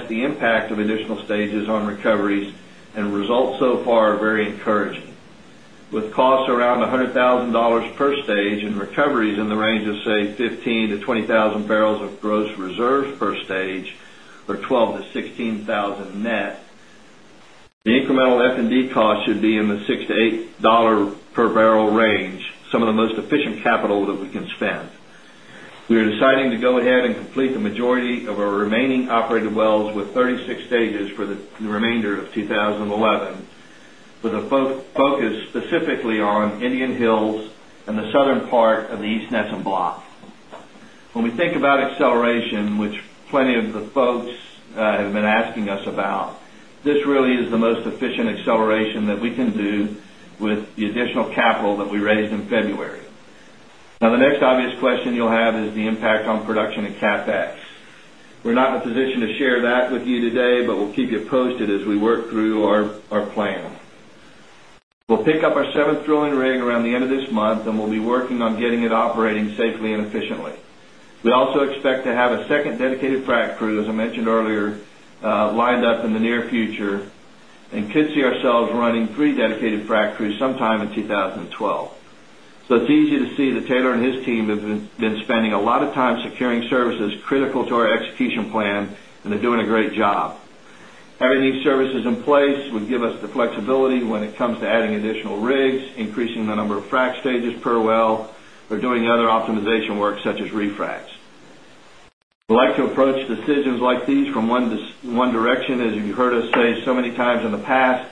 the impact of additional stages on recoveries and results so far are very encouraging. With costs around $100,000 per stage and recoveries in the range of say 15,000 to 20,000 barrels of gross reserves per stage or 12,000 to 16,000 net. The incremental F and D cost should be in the $6 to $8 per barrel range, some of the most efficient capital that we can spend. Are deciding to go ahead and complete the majority of our remaining operated wells with 36 stages for the remainder of 2011 with a focus specifically on Indian Hills and the southern part of the East Nesham block. When we think about acceleration, which plenty of the folks have been asking us about, this really is the most efficient acceleration that we can do with the additional you today, but we'll keep you posted as we work through our plan. We'll pick up our 7th drilling rig around the end of this month and we'll be working on it operating safely and efficiently. We also expect to have a second dedicated frac crew, as I mentioned earlier, lined up in the near future and could see ourselves running 3 dedicated frac crews sometime in 2012. So it's easy to see that Taylor and his team have been spending a lot of time securing services critical to our execution plan and they're doing a great job. Having these services in place would give us the flexibility when it comes to adding additional rigs, increasing the number of frac stages per well or doing other optimization work such as refracs. We like to approach decisions like these from one direction as you've heard us say so many times in the past,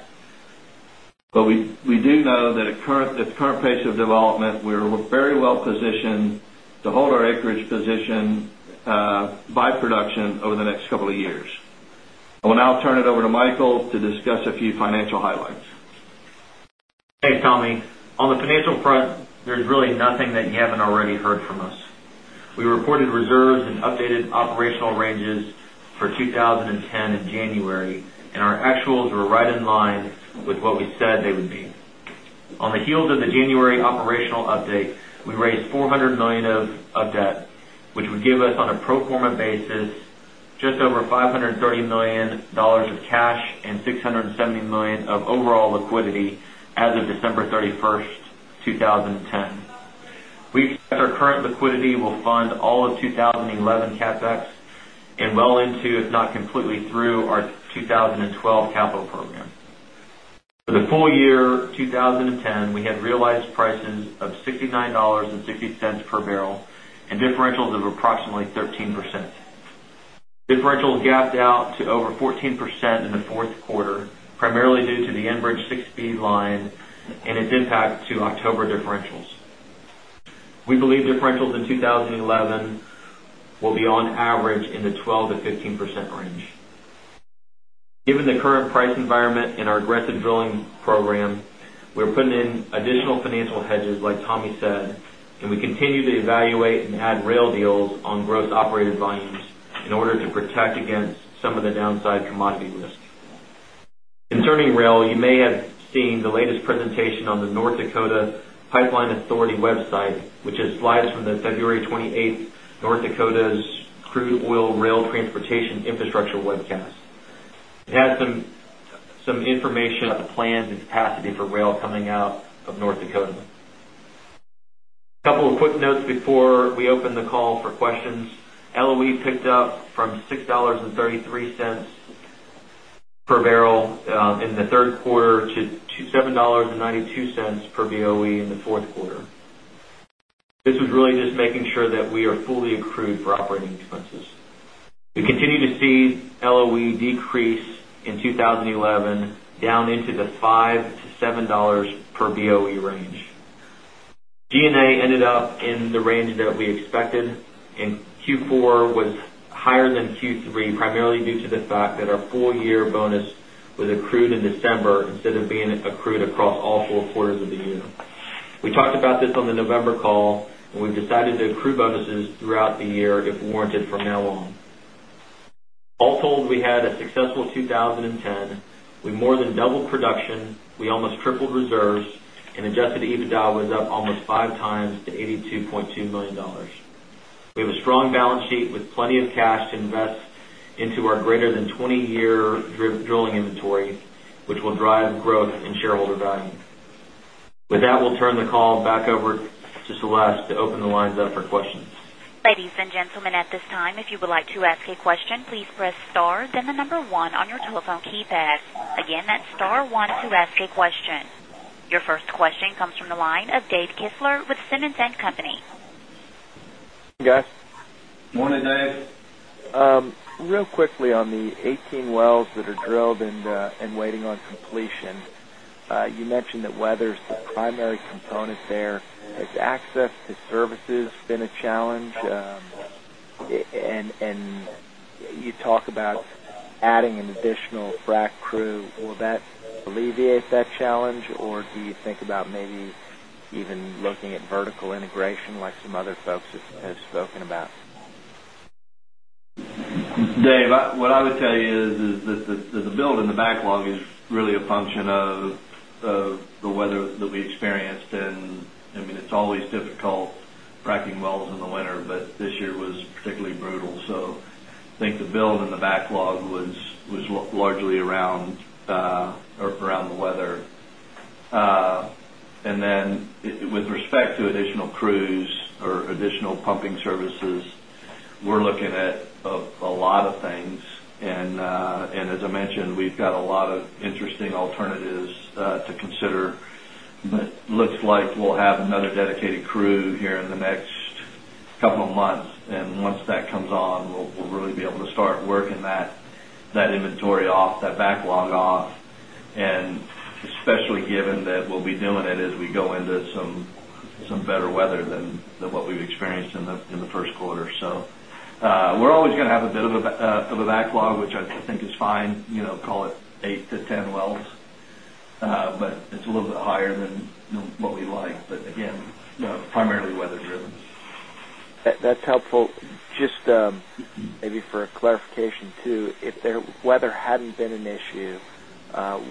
but we do know that at the current pace of development, we're very well positioned to hold our acreage position by production over the next couple years. I will now turn it over to Michael to discuss a few financial highlights. Thanks, Tommy. On the financial front, there is really nothing that you haven't already heard from us. We reported reserves and updated operational ranges for 20 10 in January and our actuals were right in line with what we said they would be. On the heels of the January operational update, we raised $400,000,000 of debt, which would give us on a pro form a basis just over $530,000,000 of cash and $670,000,000 of overall liquidity as December 31, 2010. We expect our current liquidity will fund all of 20 11 CapEx and well into if not completely through our 2012 capital program. For the full year 2010, we had realized prices of $69.60 per barrel and differentials of approximately 13%. Differentials gapped out to over 14% in the 4th quarter, primarily due to the Enbridge 6B line and its impact to October differentials. We believe differentials in 2011 will be on average in the 12% to 15% range. Given the current price environment in our aggressive drilling program, we're putting in additional financial hedge like Tommy said and we continue to evaluate and add rail deals on gross operated volumes in order to protect against Pipeline Authority website, which is slides from the February 28 North Dakota's crude oil rail transportation webcast. It has some information on the plans and capacity for rail coming out of North Dakota. A couple of quick notes before we open the call for questions. LOE picked up from $6.33 per barrel in the Q3 to $7.92 per BOE in the Q4. This was really just making sure that we are fully accrued for operating expenses. We continue to see LOE decrease in 20.11 down into the $5 to $7 per BOE range. G and A ended up in the range that we expected and Q4 was higher than Q3 primarily due to the fact that our full year bonus was accrued in December instead of being accrued across all four quarters of the year. We talked about this on the November call and we've decided to accrue bonuses throughout the year if warranted from now on. All told, we had a successful 2010. We more than doubled production. We almost tripled reserves and adjusted EBITDA was up almost 5x to $82,200,000 We have a strong balance sheet with plenty of cash to invest into our greater than 20 year drilling inventory, which will drive growth in shareholder value. With that, we'll turn the call back over to Celeste to open the lines up for questions. Your first question comes from the line of Dave Kistler with Simmons and Company. Guys. Good morning, Dave. Real quickly on the 18 wells that are drilled and waiting on completion, you challenge? And you talk about adding an additional frac crew. Will that alleviate that challenge? Or do you think about maybe even looking at vertical integration like some other folks have spoken about? Dave, what I would tell you is that the build in the backlog is really a function of the weather that we experienced. And I mean it's always difficult, fracking wells in the winter, but this year was particularly brutal. So I think the build in the backlog was largely around the weather. And then with respect to additional crews or additional pumping services, we're looking interesting alternatives to consider. But it looks like we'll have another dedicated crew here in the next couple of months. And once that comes on, we'll really be able to start working that inventory off, that backlog off and especially given that we'll be doing it as we go into some better weather than what we've experienced to 10 wells. But it's a little bit higher than the to 10 wells. But it's a little bit higher than what we like. But again, primarily weather driven. That's helpful. Just maybe for a clarification too, if the weather hadn't been an issue,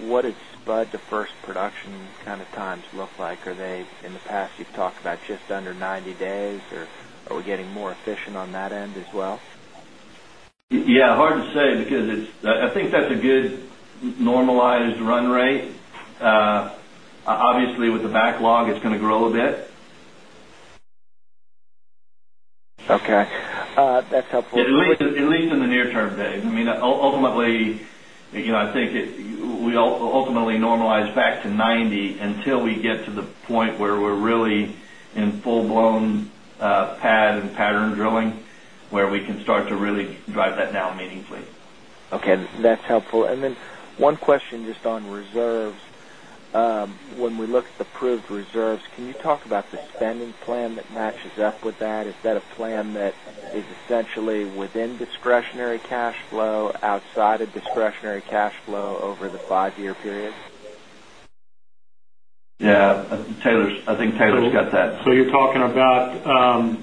what did spud to 1st production kind of times look like? Are they in the past you've talked about just under 90 days or are we getting more efficient on that end as well? Yes, hard to say because it's I think that's a good normalized run rate. Obviously, with the backlog, it's going to grow a bit. Okay. That's helpful. At least in the near term, Dave. I mean, ultimately, I think we'll ultimately normalize back to 90 until we get to the point where we're really in full blown pad and pattern drilling where we can start to really drive that down meaningfully. Okay. That's helpful. And then one question just on reserves. When we look at the proved reserves, can you talk about the spending plan that matches up with that? Is that a plan that is essentially within discretionary cash flow outside of discretionary cash flow over the 5 year period? Yes. Taylor's I think Taylor's got that. So you're talking about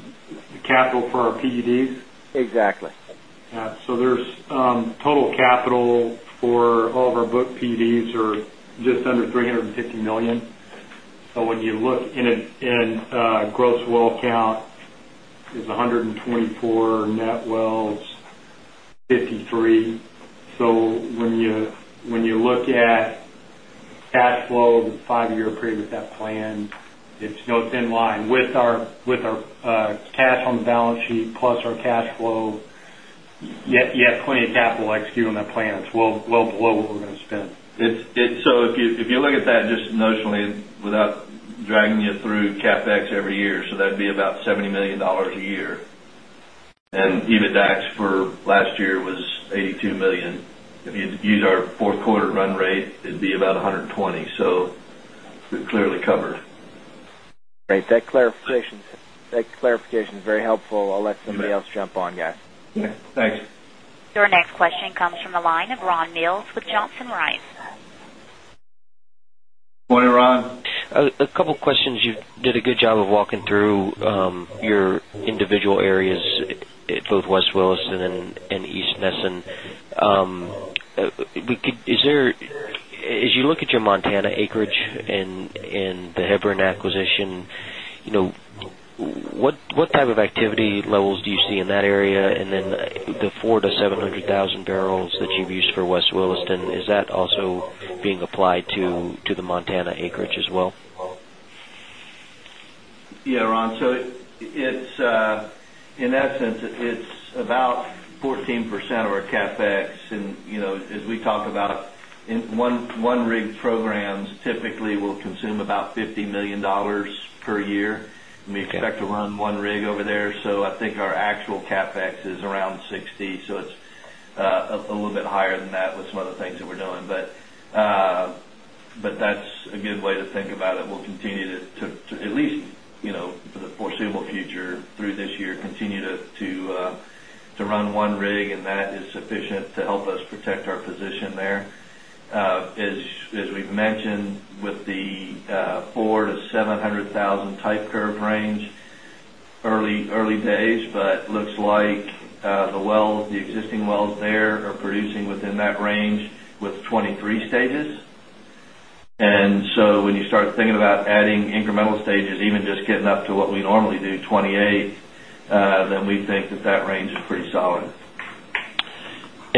capital for our PEDs? Exactly. So there's total capital for all of our booked PEDs are just under 350 $1,000,000 So when you look in gross well count, it's 124 net wells, 50 3. So when you look at cash flow, the 5 year period with that plan, it's in line with our cash on the balance sheet plus our cash flow, yet plenty of capital to execute on that plan. It's well below what we're going to spend. So if you look at that just notionally without dragging you through CapEx every year, so that'd be about $70,000,000 a year. And EBITDAX for last year was $82,000,000 If you use our 4th quarter run rate, it'd be about 100 and 20. So, we're clearly covered. Great. That clarification is very helpful. I'll let somebody else jump on guys. Thanks. Your next question comes from the line of Ron Neals with Johnson Rice. Good morning, Ron. A couple of questions. You did a good job of walking through your individual areas at both West Willis and East Nesson. Is there as you look at your Montana acreage and the Hebron acquisition, what type of activity levels do you see in that area? And then the 400000 to 700 000 barrels that you've used for West Williston, is that also being applied to the Montana acreage as well? Yes, Ron. So it's in essence, it's about 14% of our CapEx. And as we talk about one rig programs typically will consume about $50,000,000 per year and we expect to run 1 rig over there. So I think our actual CapEx is around $60,000,000 So it's a little bit higher than that with some of the things that we're doing. But that's a good way to think about it. We'll continue to at least for the foreseeable future through this year continue to run one rig and that is sufficient to help us protect our position there. As we've mentioned with the 400 000 type curve range early days, but looks like the well the existing wells there are within that range with 23 stages. And so when you start thinking about adding incremental stages even just getting up to what we normally do 28, then we think that that range is pretty solid.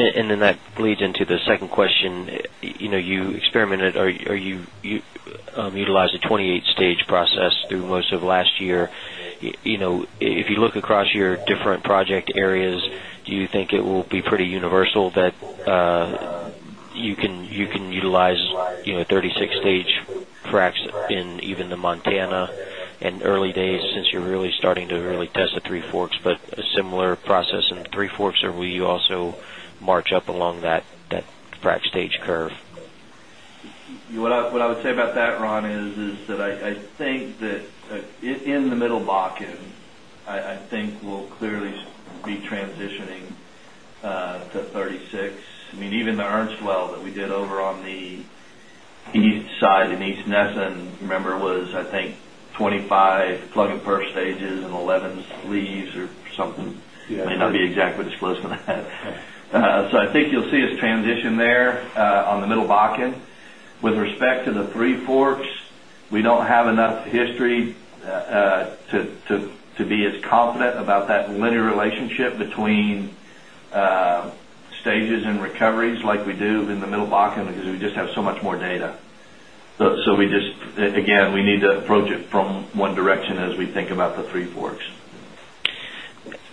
And then that leads into the second question. You experimented or you utilized a 28 stage process through most of last year. If you look across your different project areas, do you think it will be pretty universal that you can utilize 36 stage fracs in even the Montana in early days since you're really starting to really test the Three Forks, but a similar process in Three Forks or will you also march up along that frac stage curve? What I would say about that Ron is that I think that in the middle Bakken, I think we'll clearly be transitioning to 36. I mean even the Ernst well that we did over on the East side in East Nesson, remember it was I think 20 5 plug and perf stages and 11 sleeves or something, may not be exactly disclosed. So I think you'll see us transition there on the middle Bakken. With respect to the Three Forks, we don't have enough history to be as confident about that linear relationship between stages and recoveries like we do in the Middle Bakken because we just have so much more data. So we just again, we need to approach it from one direction as we think about the Three Forks.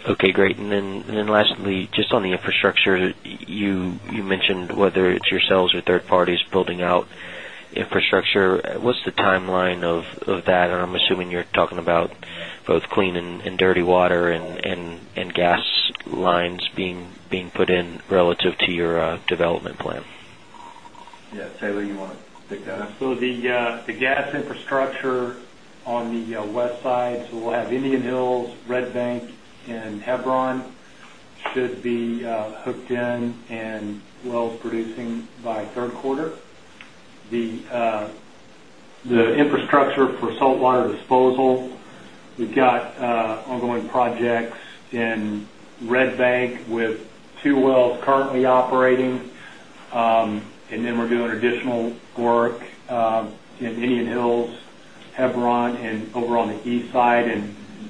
Okay, great. And then lastly, just on the infrastructure, you mentioned whether it's yourselves or third parties building out infrastructure. What's the timeline of that? And I'm assuming you're talking about both clean and dirty water and gas lines being put in relative to your development plan? Yes. Taylor, you want to take that? So the gas infrastructure on the west side, so we'll have Indian Hills, Red Bank and Hebron should be hooked in and wells producing by Q3. The infrastructure for saltwater disposal, we've got ongoing projects in Red Bank with 2 wells currently operating. And then we're doing additional work in Indian Hills, Hebron and over on the East side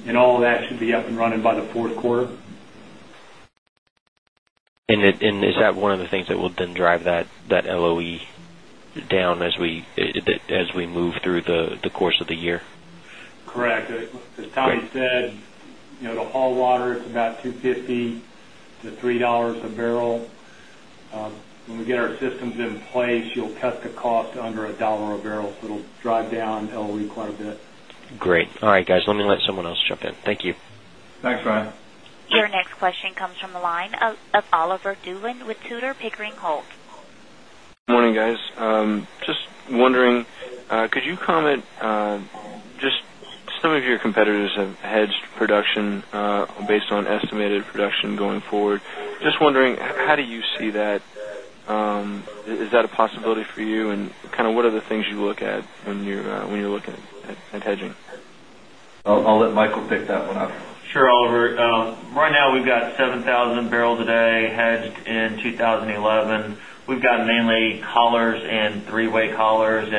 and all of that should be up and running by the Q4. And is that one of the things that will then drive that LOE down as we move through the course of the year? Correct. As Tom said, the haul water is about $2.50 to $3 a barrel. When get our systems in place, you'll cut the cost under $1 a barrel, so it'll drive down LOE quite a bit. Great. All right, guys. Let me let someone else jump in. Thank you. Thanks, Ryan. Your next question comes from the line of Oliver Dulin with Tudor, Pickering, Holt. Good morning, guys. Just wondering, could you comment just some of your competitors have hedged production based on estimated production going forward. Just wondering how do you see that? Is that a possibility for you? And kind of what are the things you look at when you're looking at hedging? I'll let Michael pick that one up. Sure, Oliver. Right now, we've got 7,000 barrels a day hedged in 2011. We've got mainly collars and three way collars.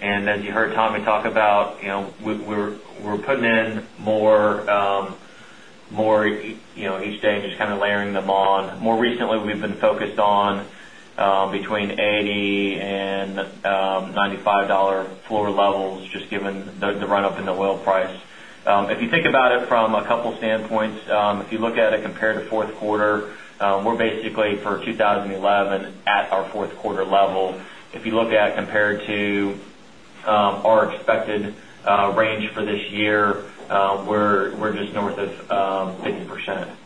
And as you heard Tommy talk about, we're putting in more each day and just kind of layering them on. More recently, we've been focused on between $80 $95 floor levels, just given the run up in the oil price. If you think about it from a couple of standpoints, if you look at it compared to 4th quarter, we're basically, for 2011 at our 4th quarter level. If you look at it compared to our expected range for this year, we're just north of 50%.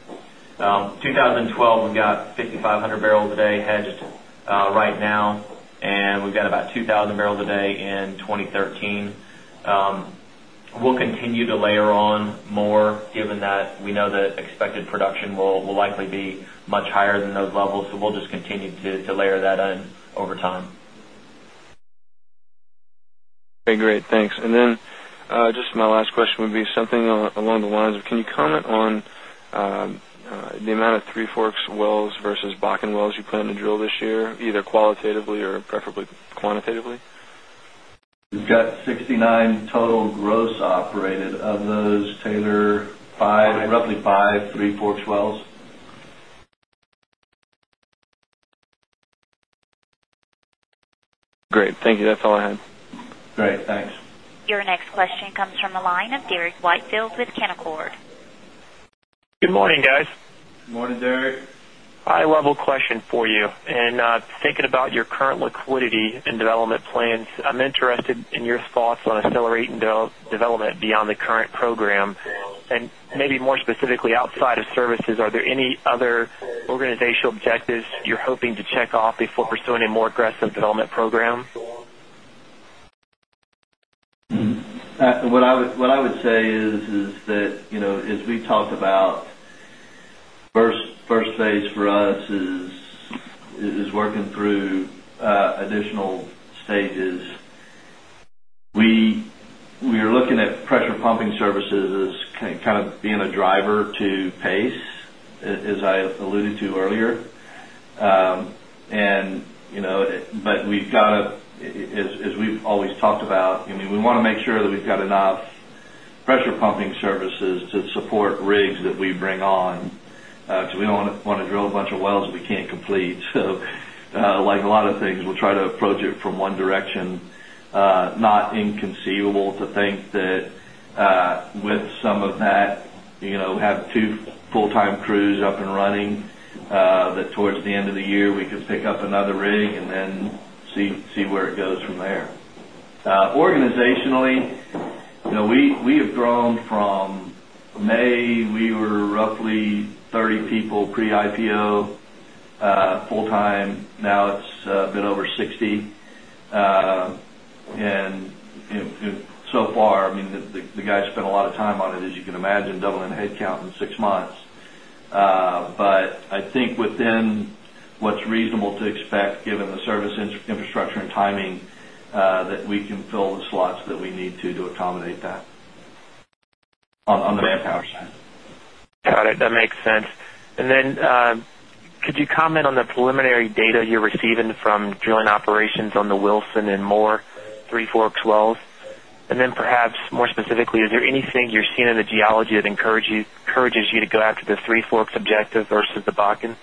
2012, we've got 5,005 100 barrels a day hedged right now and we've got about 2,000 barrels a day in 2013. We'll continue to just continue to layer that in over time. Okay, great. Thanks. And then just my last question would be something along the lines of can you comment on the amount of Three Forks wells versus Bakken wells you plan to drill this year, either qualitatively or preferably quantitatively? We've got 69 total gross operated of those Taylor 5 roughly 5, 3, 4, 4 wells. Your next question comes from the line of Derrick Whitefield with Canaccord. Good morning, guys. Good morning, Derrick. High level question for you. And thinking about your current liquidity and development plans, I'm interested in your thoughts on accelerating development beyond the current program. And maybe more specifically outside of services, are there any other organizational objectives you're hoping to check off before pursuing a more aggressive development program? What I would say is that as we talked about 1st phase for us is working through additional stages. We are looking at pressure pumping services as kind of being a driver to pace, as I alluded to earlier. And but we've got to as we've always talked about, I mean, we want to make sure that we've got enough pressure pumping services to support rigs that we bring on. So we don't want to drill a bunch of wells that we can't complete. So like a lot of things, we'll try to approach it from one direction. Not inconceivable to think that with some of that, we have 2 full time crews up and running that towards the end of the year we could pick up another rig and then see where it goes from there. Organizationally, we have grown from May, we were roughly 30 people pre IPO full time. Now it's been over 60. And so far, the guys spent a lot of time on it, as you can imagine, doubling the headcount in 6 months. But I think within what's reasonable to expect given the service infrastructure and timing that we can fill the slots that we need to accommodate that on the manpower side. Got it. That makes sense. And then could you comment on the preliminary data you're receiving from drilling operations on the Wilson and Moore Three Forks wells? And then perhaps more specifically, is there anything you're seeing in the geology that encourages you to go after the Three Forks objective versus the Bakken?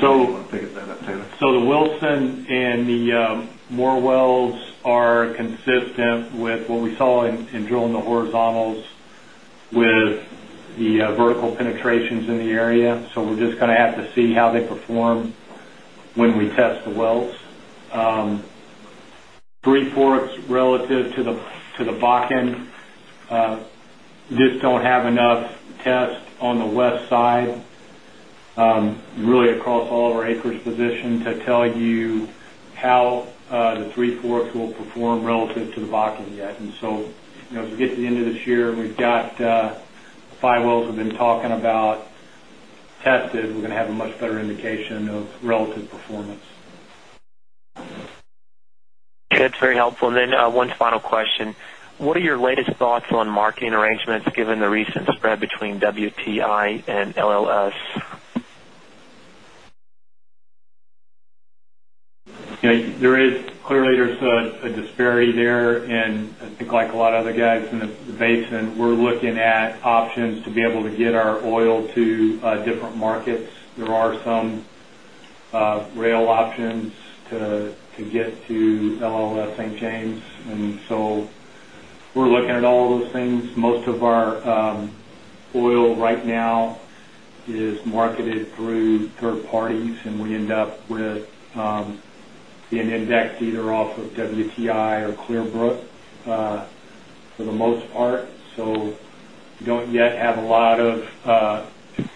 So, the Wilson and the Moore wells are consistent with what we saw in drilling the horizontals with the vertical penetrations in the area. So, we're just going to have to see how they perform when we test the wells. Three Forks relative to the Bakken just don't have enough test on the West side, really across all of our acreage position to tell you how the Threefour will perform relative to the Bakken yet. And so as we get to the end of this year, we've got 5 wells we've been talking about tested, we're going to have a much better indication of relative performance. Okay. Very helpful. And then one final question. What are your latest thoughts on marketing arrangements given the recent spread between WTI and LLS? Clearly, there's a disparity there and I think like a lot of other guys in the basin, we're looking at options to be able to get our oil to different markets. There are some rail options to get to LLS St. James. And so we're looking at all of those things. Most of our oil right now is marketed through 3rd parties and we end up with being indexed either off of WTI or Clearbrook for the most part. So we don't yet have a lot of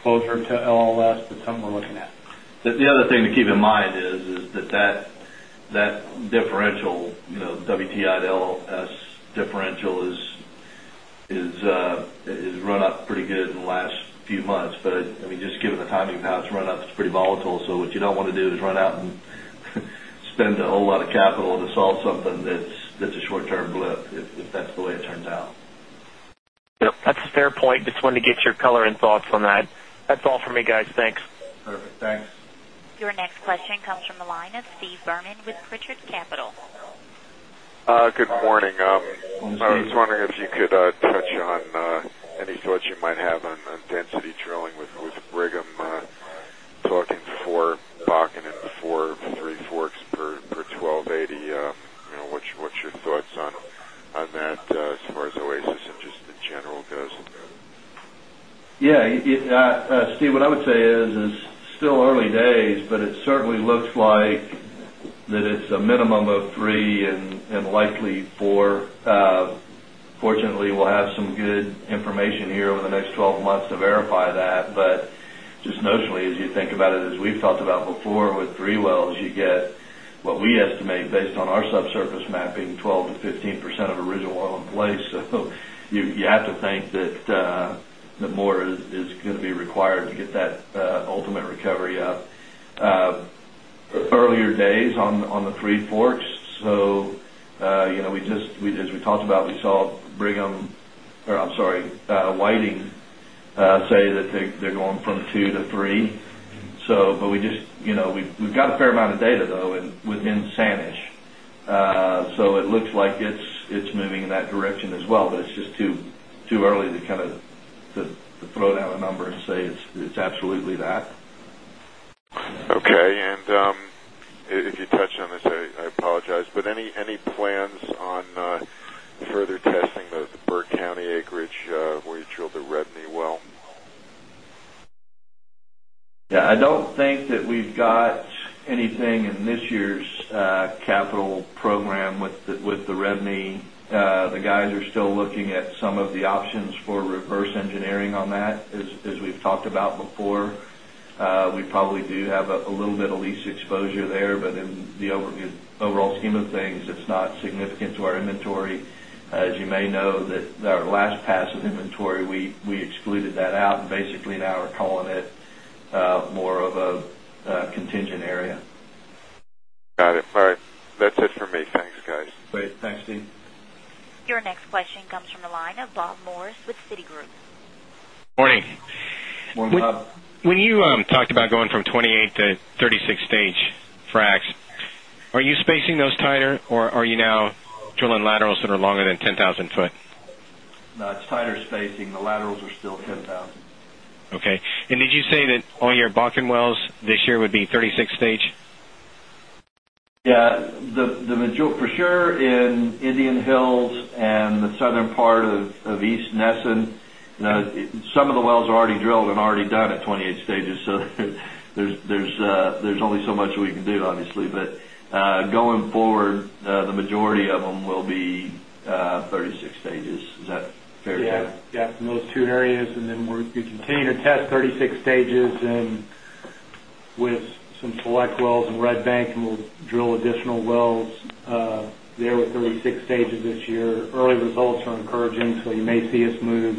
closure to LLS, but something we're looking at. The other thing to keep in mind is that that differential, WTI to LLS differential has run up pretty good in the last few months. But I mean just given the timing of how it's run up, it's pretty volatile. So what you don't want to do is run out and spend a whole lot of capital to solve something that's a short term blip, if that's the way it turns out. That's a fair point. Just wanted to get your color and thoughts on that. That's all for me guys. Thanks. Perfect. Thanks. Your next question comes from the line of Steve Vernon with wondering if you could touch on any thoughts you might have on density drilling with Brigham talking for Bakken and 4, 3 forks per 12.80. What's your thoughts on that as far as Oasis and just in general does? Yes. Steve, what I would say is, it's still early days, but it certainly looks like that it's a minimum of 3 and likely 4. Fortunately, we'll have some good information here over the next 12 months to verify that. But just notionally as you think about it as we've talked about before with 3 wells you get what we estimate based on our subsurface mapping 12% to 15% of original oil in place. So you have to think that more is going to be required to get that ultimate recovery up. Three Forks, so we just as we talked about, we saw Brigham I'm sorry, Whiting say that they're going from 2 to 3. So but we just we've got a fair amount of data though within Sanish. So, it looks like it's moving in that direction as well, but it's just too early to kind of throw down a number and say it's absolutely that. Okay. And if you on this, I apologize, but any plans on further testing those Burke County acreage where you drilled the Red Knee well? Yes. I don't think that we've got anything in this year's capital program with the revenue. The guys are still looking at some of the options for reverse engineering on that as we've talked about before. We do have a little bit of lease exposure there, but in the overall scheme of things, it's not significant to our inventory. As you may know that our last pass of inventory, we excluded that out and basically now we're calling it more of a contingent area. Got it. All right. That's it for me. Thanks guys. Great. Thanks, Steve. Your next question comes from the line of Bob Morris with Citigroup. Good morning. Good morning Bob. When you talked about going from 28 to 30 6 stage fracs, are you spacing those tighter or are you now drilling laterals that are longer than 10,000 foot? No, it's tighter spacing. The laterals are still 10,000. Okay. And did you say that all your Bakken Yes. The module for sure in Indian Hill, Yes. The Majul for sure in Indian Hills and the southern part of East Nesen, some of the wells are already drilled and already done at 28 stages. So there's only so much we can do obviously. But going forward, the majority of them will be 36 stages. Is that fair to say? Yes, yes, in those two areas. And then we're continuing to test 36 stages and with some select wells in Red Bank and we'll drill additional wells there with 36 stages this year. Early results are encouraging, so you may see us move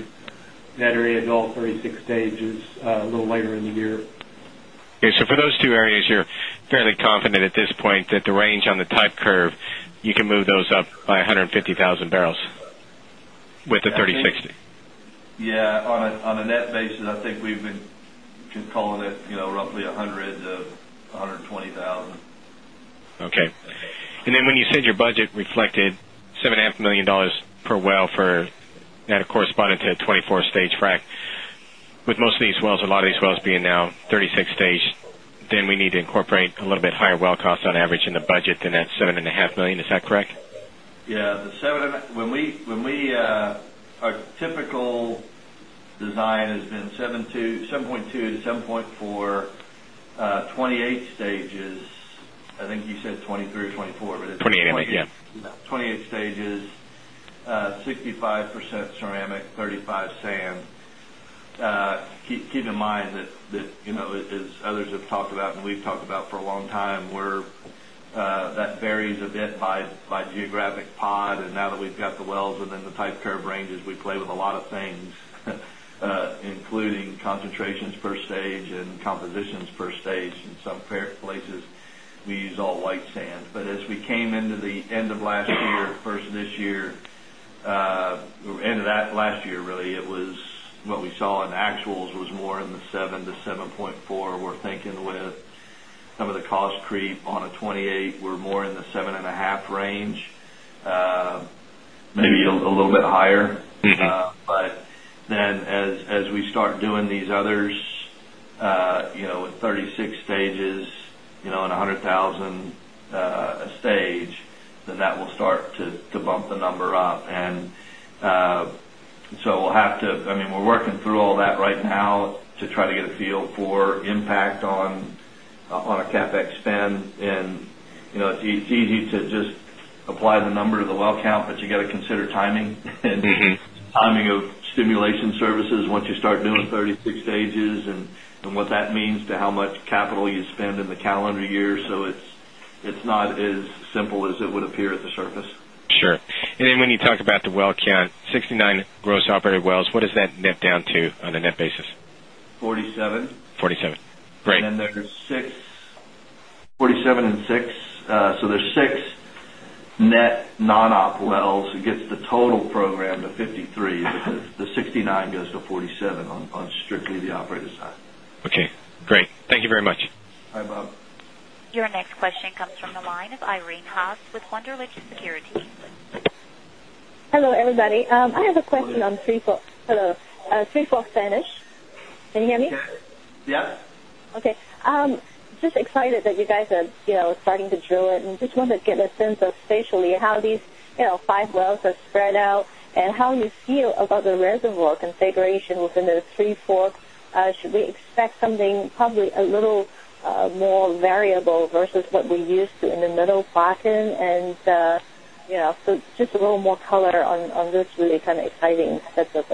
in that area at all 36 stages a little later in the year. Okay. So for those two areas, you're fairly confident at this point that the range on the type curve, you can move those up by 60? Yes. On a net basis, I think we've been calling it roughly 100,000 to 120,000. Okay. And then when you said your budget reflected $7,500,000 per well for that of correspondent to 24 stage frac, with most of these wells, a lot of these wells being now 36 stage, then we need to incorporate a little bit higher well cost on average in the budget than that $7,500,000 is that correct? Yes. The $7,000,000 when we our typical design has been 7 point 2 to 7.4, 28 stages. I think you said 23 or 24, but it's 28 stages, stages, 65 percent ceramic, 35 sand. Keep in mind that as others have talked about and we've talked about for a long time, where that varies a bit by geographic pod. And now that we've got the wells within the type curve ranges, we play with a lot of things, including concentrations per stage and compositions compositions per stage in some places we use all white sand. But as we came into the end of last year versus this year, end of that last year really, it was what we saw in actuals was more in the 7% to 7.4%. We're thinking with some of the cost creep on a 28 were more in the 7.5 range, maybe a little bit higher. But then as we start doing these others with 36 stages and 100 1,000 stage, then that will start to bump the number up. And so we'll have to I mean, we're working through all that right now to try to get a feel for impact on a CapEx spend. And it's easy to just apply the number to the well count, but you got to consider timing and timing of stimulation services once you start doing 36 stages and what that means to how much capital you spend in the calendar year. So it's not as simple as it would appear at the surface. Sure. And then when you about the well count, 69 gross operated wells, what does that net down to on a net basis? 47. And then there's 6 47 and 6. So there's 6 net non op wells against the total program to 53, the 69 goes to 47 on strictly the operator side. Okay, great. Thank you very much. Hi, Bob. Your next question comes from the line of Irene Haas with Hunderlich Securities. Hello, everybody. I have a question on Three Forks. Hello. Three Forks Spanish. Can you hear me? Yes. Okay. Just excited that you guys are starting to drill it and just want to get a sense of spatially how these 5 wells are spread out and how you feel about the configuration within the Three Forks? Should we expect something probably a little more variable versus what we used in the middle Bakken? And so just a little more color on this really kind of exciting set of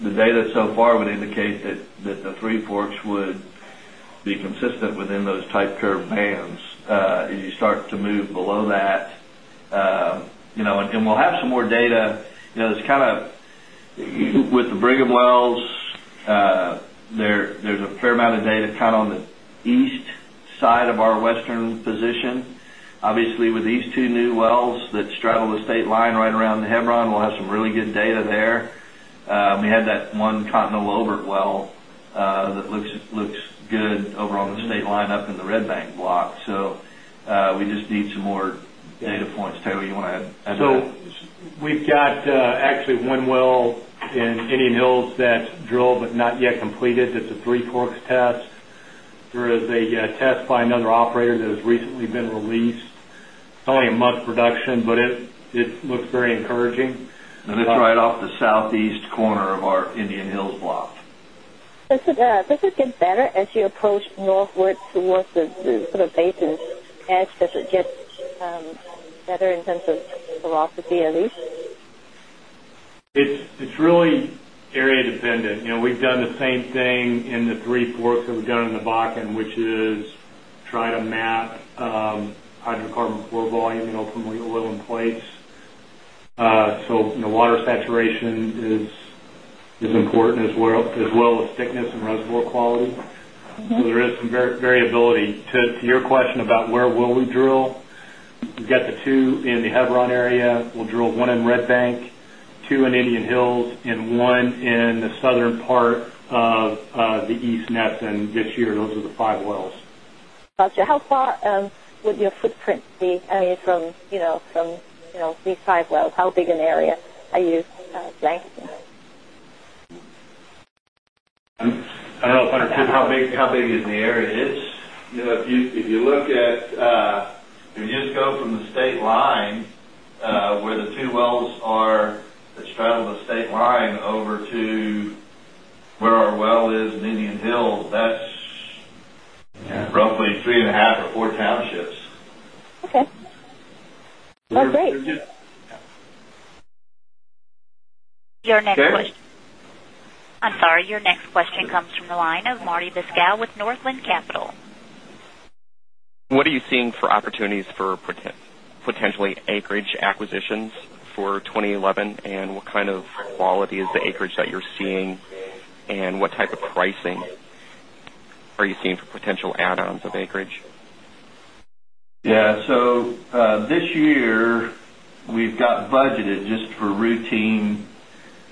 The data so far would indicate that the Three Forks would be consistent within those type curve bands. As you start to move below that and we'll have some more data. It's kind of with the Brigham wells, there's a fair amount of data kind of on the east side of our western position. Obviously, with these 2 new wells that straddle the state line right around the Hebron, we'll have some really good data there. We had that 1 Continental Overt well that looks good over on the state lineup in the Red Bank block. So, we just need some more data points. Taylor, you want to add? So we've got actually one well in Indian Hills that's drilled but not yet completed. It's a 3 corks test. There is a test by another operator that has recently been released. It's only a month production, but it looks very encouraging. And it's right off the southeast corner of our Indian Hills block. Does it get better as you approach northward towards the sort of basis edge? Does it get better in terms of philosophy at least? Least? It's really area dependent. We've done the same thing in the 3 ports that we've done in the Bakken, which is try to map hydrocarbon flow volume and ultimately a little in place. So, water saturation is important as well as thickness and reservoir quality. So, there is some variability. To your question about where will we drill, we've got the 2 in the Hebron area. We'll drill 1 in Red Bank, 2 in Indian Hills and 1 in the southern part of the East Nansen this year. Those are the 5 wells. Got you. How far would your footprint be from these 5 wells? How big an area are you, Blake? I don't know if I understood how big an the area. It's if you look at if you just go from the state line, where the 2 wells are straddle the state line over to where our well is in Indian Hill, that's roughly 3.5 or 4 townships. Your next question comes from the line of Marty Biscow with Northland Capital. What are you seeing for opportunities for potentially acreage acquisitions for 2011? And what kind of quality is the acreage that you're seeing? And what type of pricing are you seeing for just for routine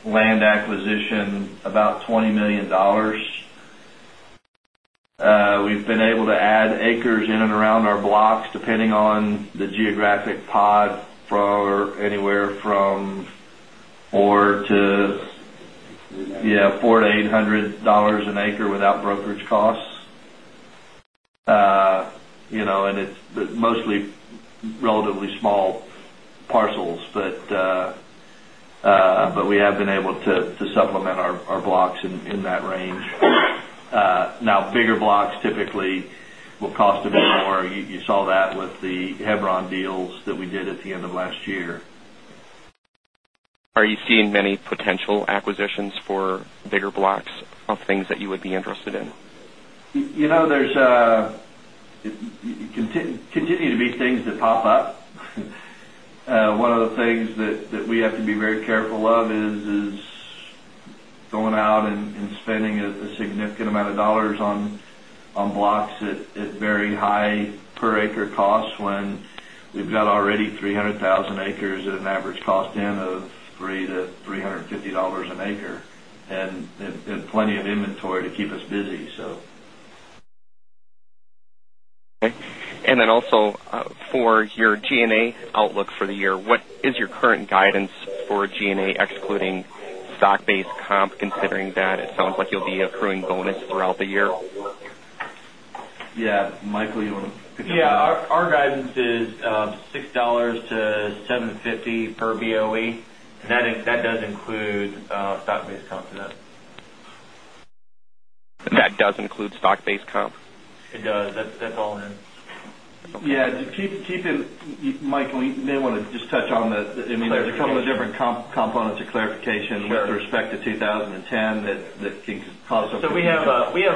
land acquisition, about just for routine land acquisition about $20,000,000 We've been able to add acres in and around our blocks depending on the geographic pod anywhere from $400 to $800 an acre without brokerage costs. And it's mostly relatively small parcels, but we have been able to supplement our blocks in that range. Now bigger supplement our blocks in that range. Now bigger blocks typically will cost a bit more. You saw that with the Hebron deals that we did at the end of last year. Are you seeing many potential acquisitions for bigger blocks of things that you would be interested in? There's continue to be things that pop up. One of the things that we have to be very careful of is going out and spending a significant amount of dollars on blocks at very high per acre cost when we've got already 300,000 acres at an average cost in of $3 to $3.50 an acre and plenty of inventory to keep us busy. Okay. And then considering that it sounds like you'll be accruing bonus throughout the year? Yes. Michael, you want to Yes. Our guidance is $6 to $7.50 per BOE and that does include stock based comp in that. That does include stock based comp? It does. That's all in. Yes. Keith and Mike, we may want to just touch on the I mean there's a couple of different components of clarification respect to 2010 that can cause some So we have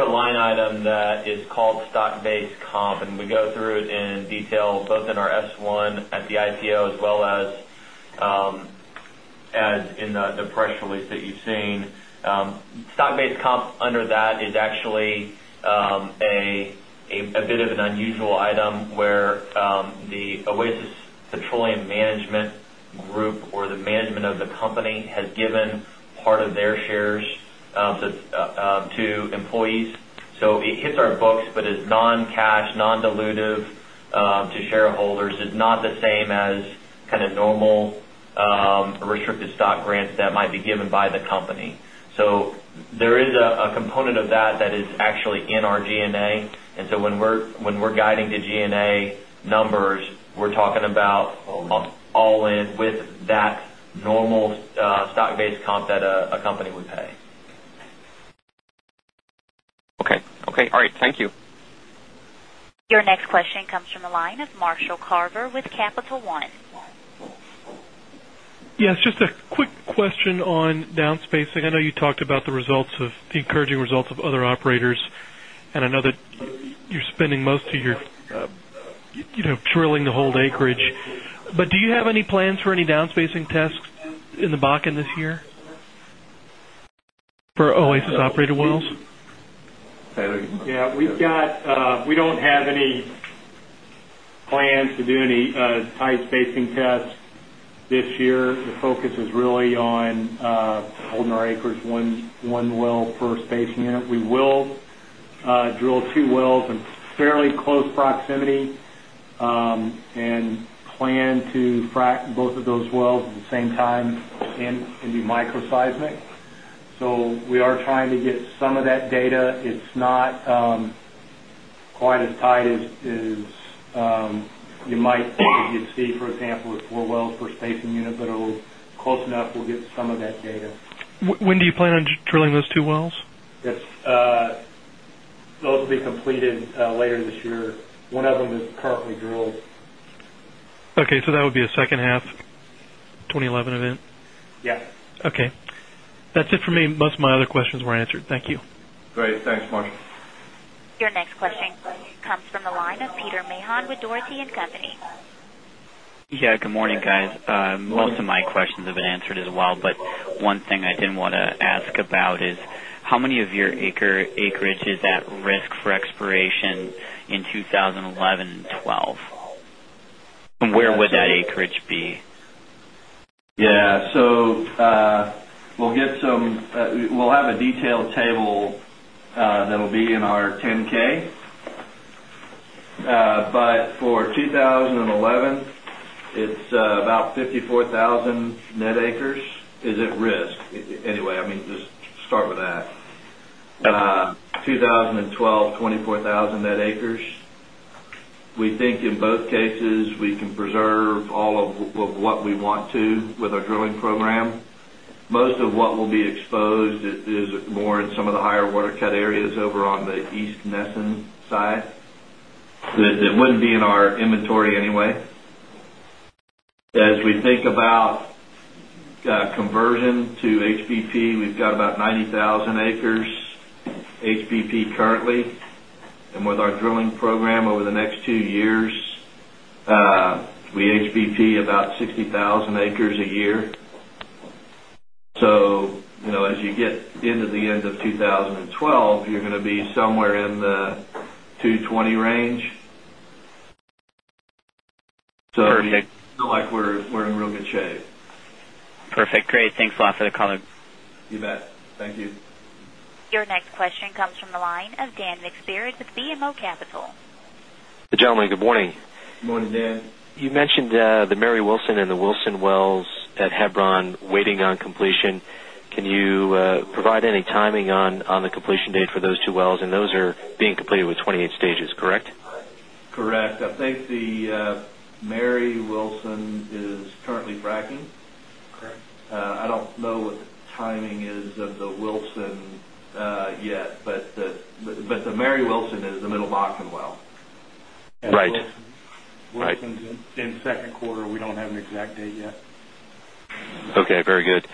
a line item that is called stock based comp and we go through it in detail both in our S-one at the IPO as well as in the press release that you've seen. Stock based comp under that is actually a bit of an unusual item where the Oasis Petroleum Management Group or the management of the company has given part of their shares to employees. So it hits our books, but it's non cash, non dilutive to shareholders. It's not the same as normal restricted stock grants that might be given by the company. So, there is a component of that that is actually in our G and A. And so, when we're guiding the G and A numbers, we're talking about all in with that normal stock based comp that a company would pay. Okay. All right. Thank you. Your next question comes from the line of Marshall Carver with Capital One. Yes. Just a quick question on down spacing. I know you talked about the results of the encouraging results of other operators. And I know that you're spending most of your drilling the whole acreage. But do you have any plans for any down spacing tests in the Bakken this year for Oasis operated wells? Tyler, do you want to talk about that? Yes. We've got we don't have any plans to do any tight spacing tests this year. The focus is really on holding our acreage 1 well per spacing unit. We will drill 2 wells in fairly close proximity and plan to frac both of those wells at the same time and be microseismic. So we are trying to get some of that data. It's not quite as tight as you might you'd see, for example, 4 wells per spacing unit, but it will close enough we'll get some of that data. When do you plan on drilling those 2 wells? Yes. Those will be completed later this year. 1 of them is currently drilled. Okay. So that would be a second half twenty eleven event? Yes. Okay. That's it for me. Most of my other questions were answered. Thank you. Great. Thanks, Mark. Your next question comes from the line of Peter Mahan with Dougherty and Company. Yes. Good morning, guys. Most of my questions have been answered as well. But one thing I didn't want to ask about is how many of your acreage is at risk for exploration in 2011, 2012? And where would that acreage be? Yes. So we'll get some we'll have a detailed table that will be in our 10 ks. But for 2011, it's about 54 1,000 net acres is at risk. Anyway, I mean just start with that. 20 12, 24,000 net acres, we think in both cases, we can preserve all of what we want to with our drilling program. Most of what will be exposed is more in some of the higher water cut areas over on the East Nesen side. That wouldn't be in our inventory anyway. As we think about conversion to HBP, we've got about 90,000 acres HBP currently. And with our drilling program over the next 2 years, we HBP about 60,000 acres a year. So as you get into the end of 2012, you're going to be somewhere in the $220,000,000 range. So we feel like we're in real good shape. Perfect. Great. Thanks a lot for the color. You bet. Thank you. Your next question comes from the line of Dan McSpirit with BMO Capital. Hey, You mentioned the Mary Wilson and the Wilson wells at Hebron waiting on completion. Can you provide any timing on the completion date for those 2 wells and those are being completed with 28 stages, correct? Correct. I think the Mary Wilson is currently fracking. Correct. I don't know what the timing is of the Wilson yet, but the Mary Wilson is the Middle Bakken well. Right. In 2nd quarter, we don't have an exact date yet. Okay, very good.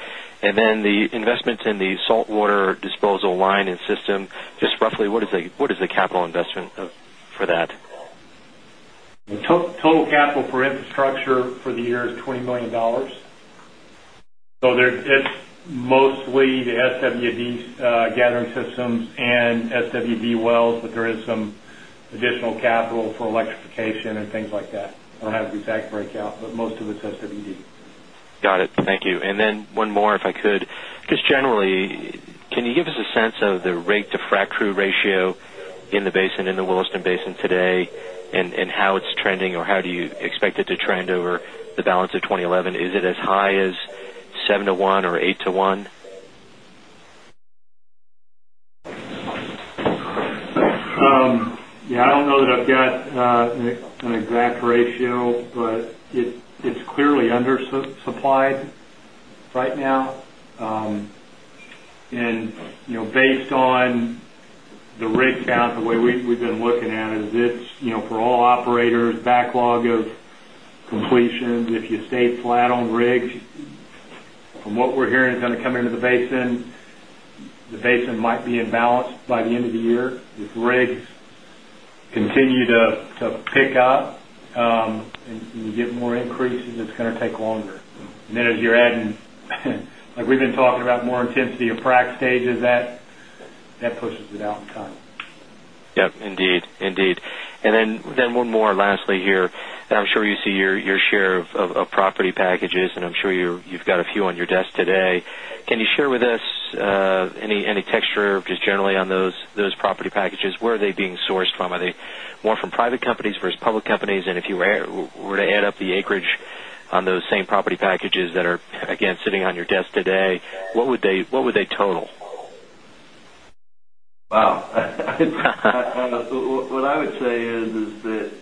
And then the investments in the saltwater disposal line and system, just roughly what is the capital investment for that? Total capital for infrastructure for the year is $20,000,000 So there is mostly the SWD gathering systems and SWD wells, but there is some additional capital for electrification and things like that. I don't have the exact breakout, but most of it has to be deep. Got it. Thank you. And then one more if I could. Just generally, can you give us a sense of the rate to frac crew ratio in the basin in the Williston Basin today and how it's trending or how do you expect it to trend over the balance of 2011? Is it as high as 7 to 1 or 8 to 1? Yes. I don't know that I've got an exact ratio, but it's clearly undersupplied right now. And based on the rig count, the way we've been looking at it is it's for all operators backlog of completions. If you stay flat on rigs from what we're hearing is going to come into the basin. The basin might be imbalanced by the end of the year. If rigs continue to of frac stages that pushes it out in time. Okay. And then as you're adding, like we've been talking about more intensity of frac stages that pushes it out in time. Yes, indeed. And then one more lastly here. I'm sure you see your share of property packages and I'm sure you've got a few on your desk today. Can you share with us any texture just generally on those property packages? Where are they being sourced from? Are they more from private companies versus public companies? And if you were to add up the acreage on those same property packages that are again sitting on your desk today, what would they total? Well, what I would say is that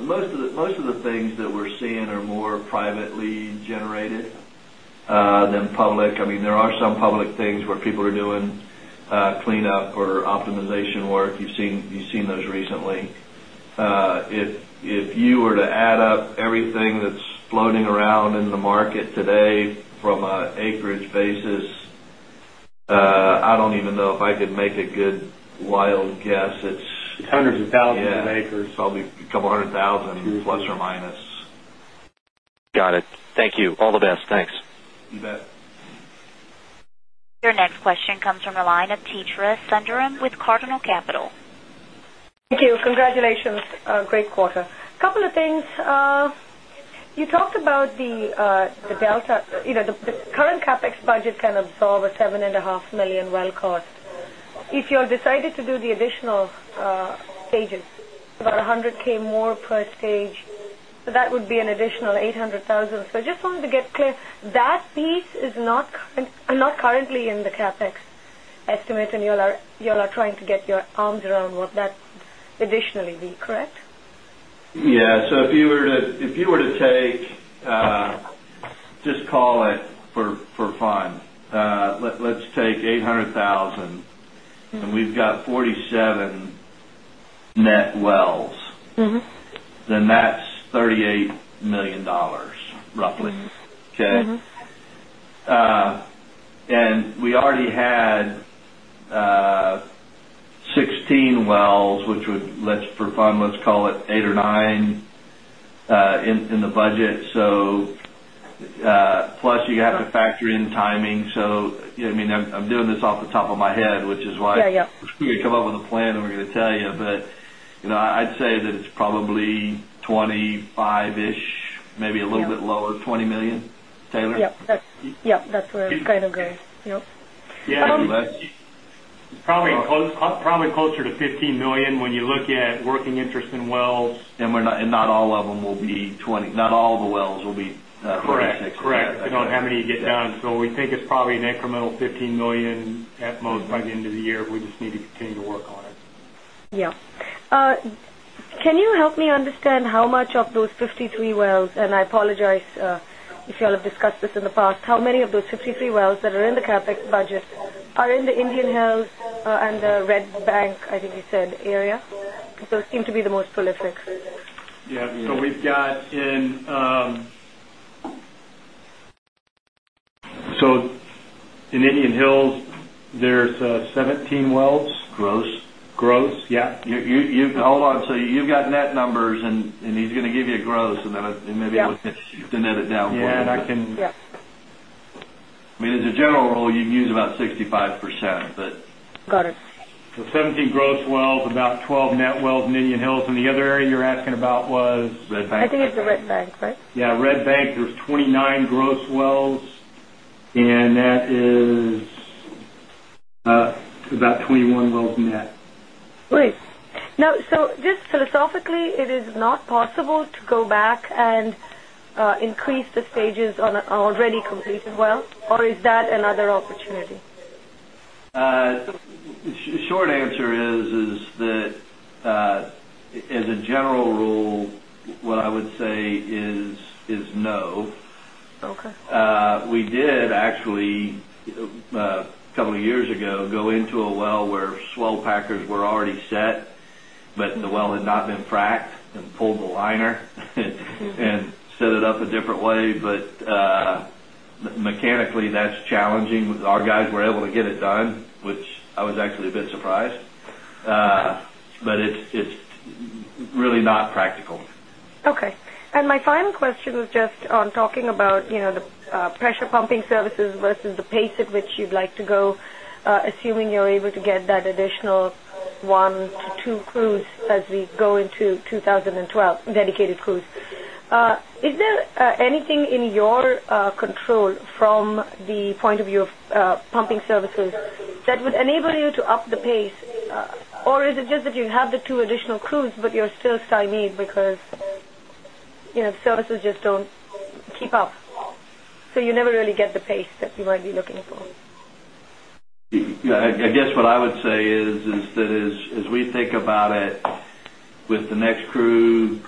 most of the things that we're seeing are more privately generated than public. I mean, there are some public things where people are doing cleanup or optimization work. You've seen those recently. If you were to add up everything that's floating around in the market today from an acreage basis, I don't know if I could make a good wild guess. It's 100 of 1000 acres. Yes, probably a couple of 100000 plus or minus. Got it. Thank you. All the best. Thanks. You bet. Your next question comes from the line of Teitra Sundaram with Cardinal Capital. Thank you. Congratulations. Great quarter. Couple of things. You talked about the delta the current CapEx budget can absorb a 7 point 5 million well cost. If you have decided to do the additional stages, about 100,000 more per stage, so that would be an additional 800,000. So I just wanted to get clear that piece is not currently in the CapEx estimate and you all are trying to get your arms around what that additionally be, correct? Yes. So if you were to take just call it for fun, let's take 800,000 and we've got 47 net wells, then that's $38,000,000 roughly, okay? And we already had 16 wells, which would for fun, let's call it 8 or 9 in the budget. So plus you got to factor in timing. So I mean, I'm doing this off the top of my head, which is why we're going to come up with a plan and we're going to tell you. But I'd say that it's probably 25 ish, maybe a little bit lower $20,000,000 Taylor? Yes, that's where it's kind of going. Yes, it would be less. Closer to $15,000,000 when you look at working interest in wells. And not all of them will be $20,000,000 not all of the wells will be 26. Correct. I don't have any to get down. So we think it's probably an incremental 15,000,000 at most by the end the year. We just need to continue to work on it. Yes. Can you help me understand how much of those 53 wells and I apologize if you all have discussed this in the past, how many of those 53 wells that are in the CapEx budget are in the Indian Hills and the Red Bank, I think you said, area? Those seem to be the most prolific. Yes. So we've got in so, in Indian Hills, there is 17 wells? Gross. Gross, yes. Hold on. So you've got net numbers and he's going to give you gross and then maybe we'll net it down for you. Yes. I mean as a general rule you can use about 65%, but Got it. So 17 gross wells, about 12 net wells in Indian Hills. And the other area you're asking about was? Red Bank. I think it's the Red Bank, right? Yes, Red Bank, there's 20 9 gross wells and that is about 21 wells net. Great. Now so just philosophically, it is not possible to go back and increase the stages on an already completed well? General rule, what I would say is no. General rule, what I would say is no. Okay. We did actually a couple of years ago go into a well where swell packers were already set, but the well had not been fracked and pulled the liner and set it up a different way. But mechanically that's challenging with our guys were able to get it done, which I was actually a bit surprised. But it's really not practical. Okay. And my final question was just on talking about the pressure pumping services versus the pace at which you'd like to go, assuming able to get that additional 1 to 2 crews as we go into 2012 dedicated crews. Is there anything in your control from the point of view of pumping services that would enable you to up the pace? Or is it just that you have the 2 additional crews, but you're still Siamese because services just don't keep up. So you never really get the pace that you might be looking for. I guess what I would say is that as think about it with the next crew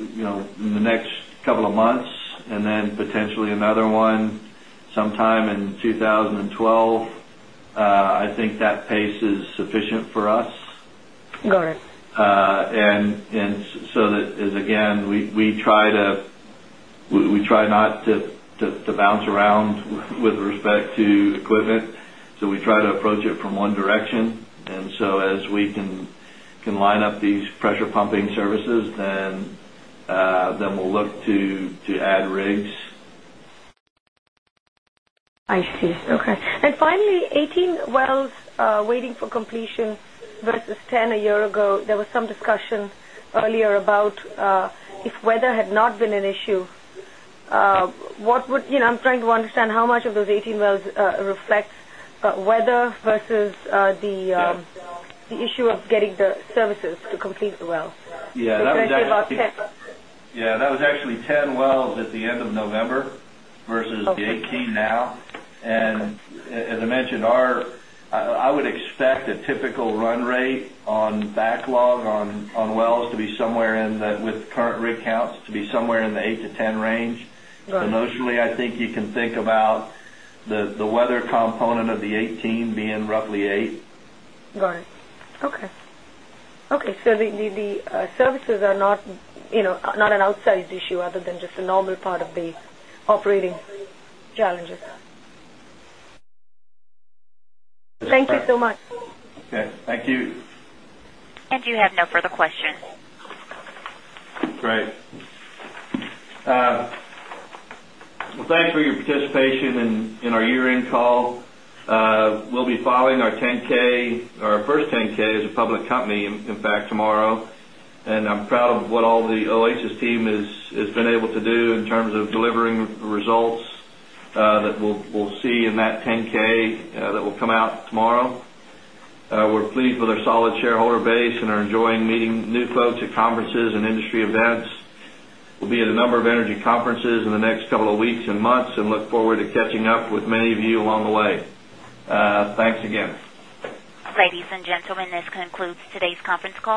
in the next couple of months and then potentially another one sometime in 2012. I think that pace is sufficient for us. And so that again, we try to we try not to bounce around with respect to equipment. So we try to approach it from one direction. And so as we can line up these pressure pumping services, then we'll look to add rigs. I see. Okay. And finally 18 wells waiting for completion versus 10 a year ago, there was some discussion earlier about if weather had not been an issue. What would I'm trying to understand how much of those 18 wells reflects weather versus the issue of getting the services to complete the well? Yes. That was actually 10 wells at the end of November versus the 18 now. And as I mentioned, our I would expect a typical run rate on backlog on wells to be somewhere in that with current rig counts to be somewhere in the 8% to 10% range. And notionally, I think you can think about the weather component of the 2018 being roughly 8 Got it. Okay. Okay. So the services are not an outsized issue other than just a normal part of the And you have no further questions. Great. Well, thanks for your participation in our year end call. We'll be filing our 10 ks, our first 10 ks as a public company, in fact tomorrow. And I'm proud of what all the OHS team has been able to do in terms of delivering results that we'll see in that 10 ks that will come out tomorrow. We're pleased with our solid shareholder base and are enjoying meeting new folks at conferences and industry events. We'll be at a number of energy conferences in the next couple of weeks months and look forward to catching up with many of you along the way. Thanks again. Ladies and gentlemen, this concludes today's conference call.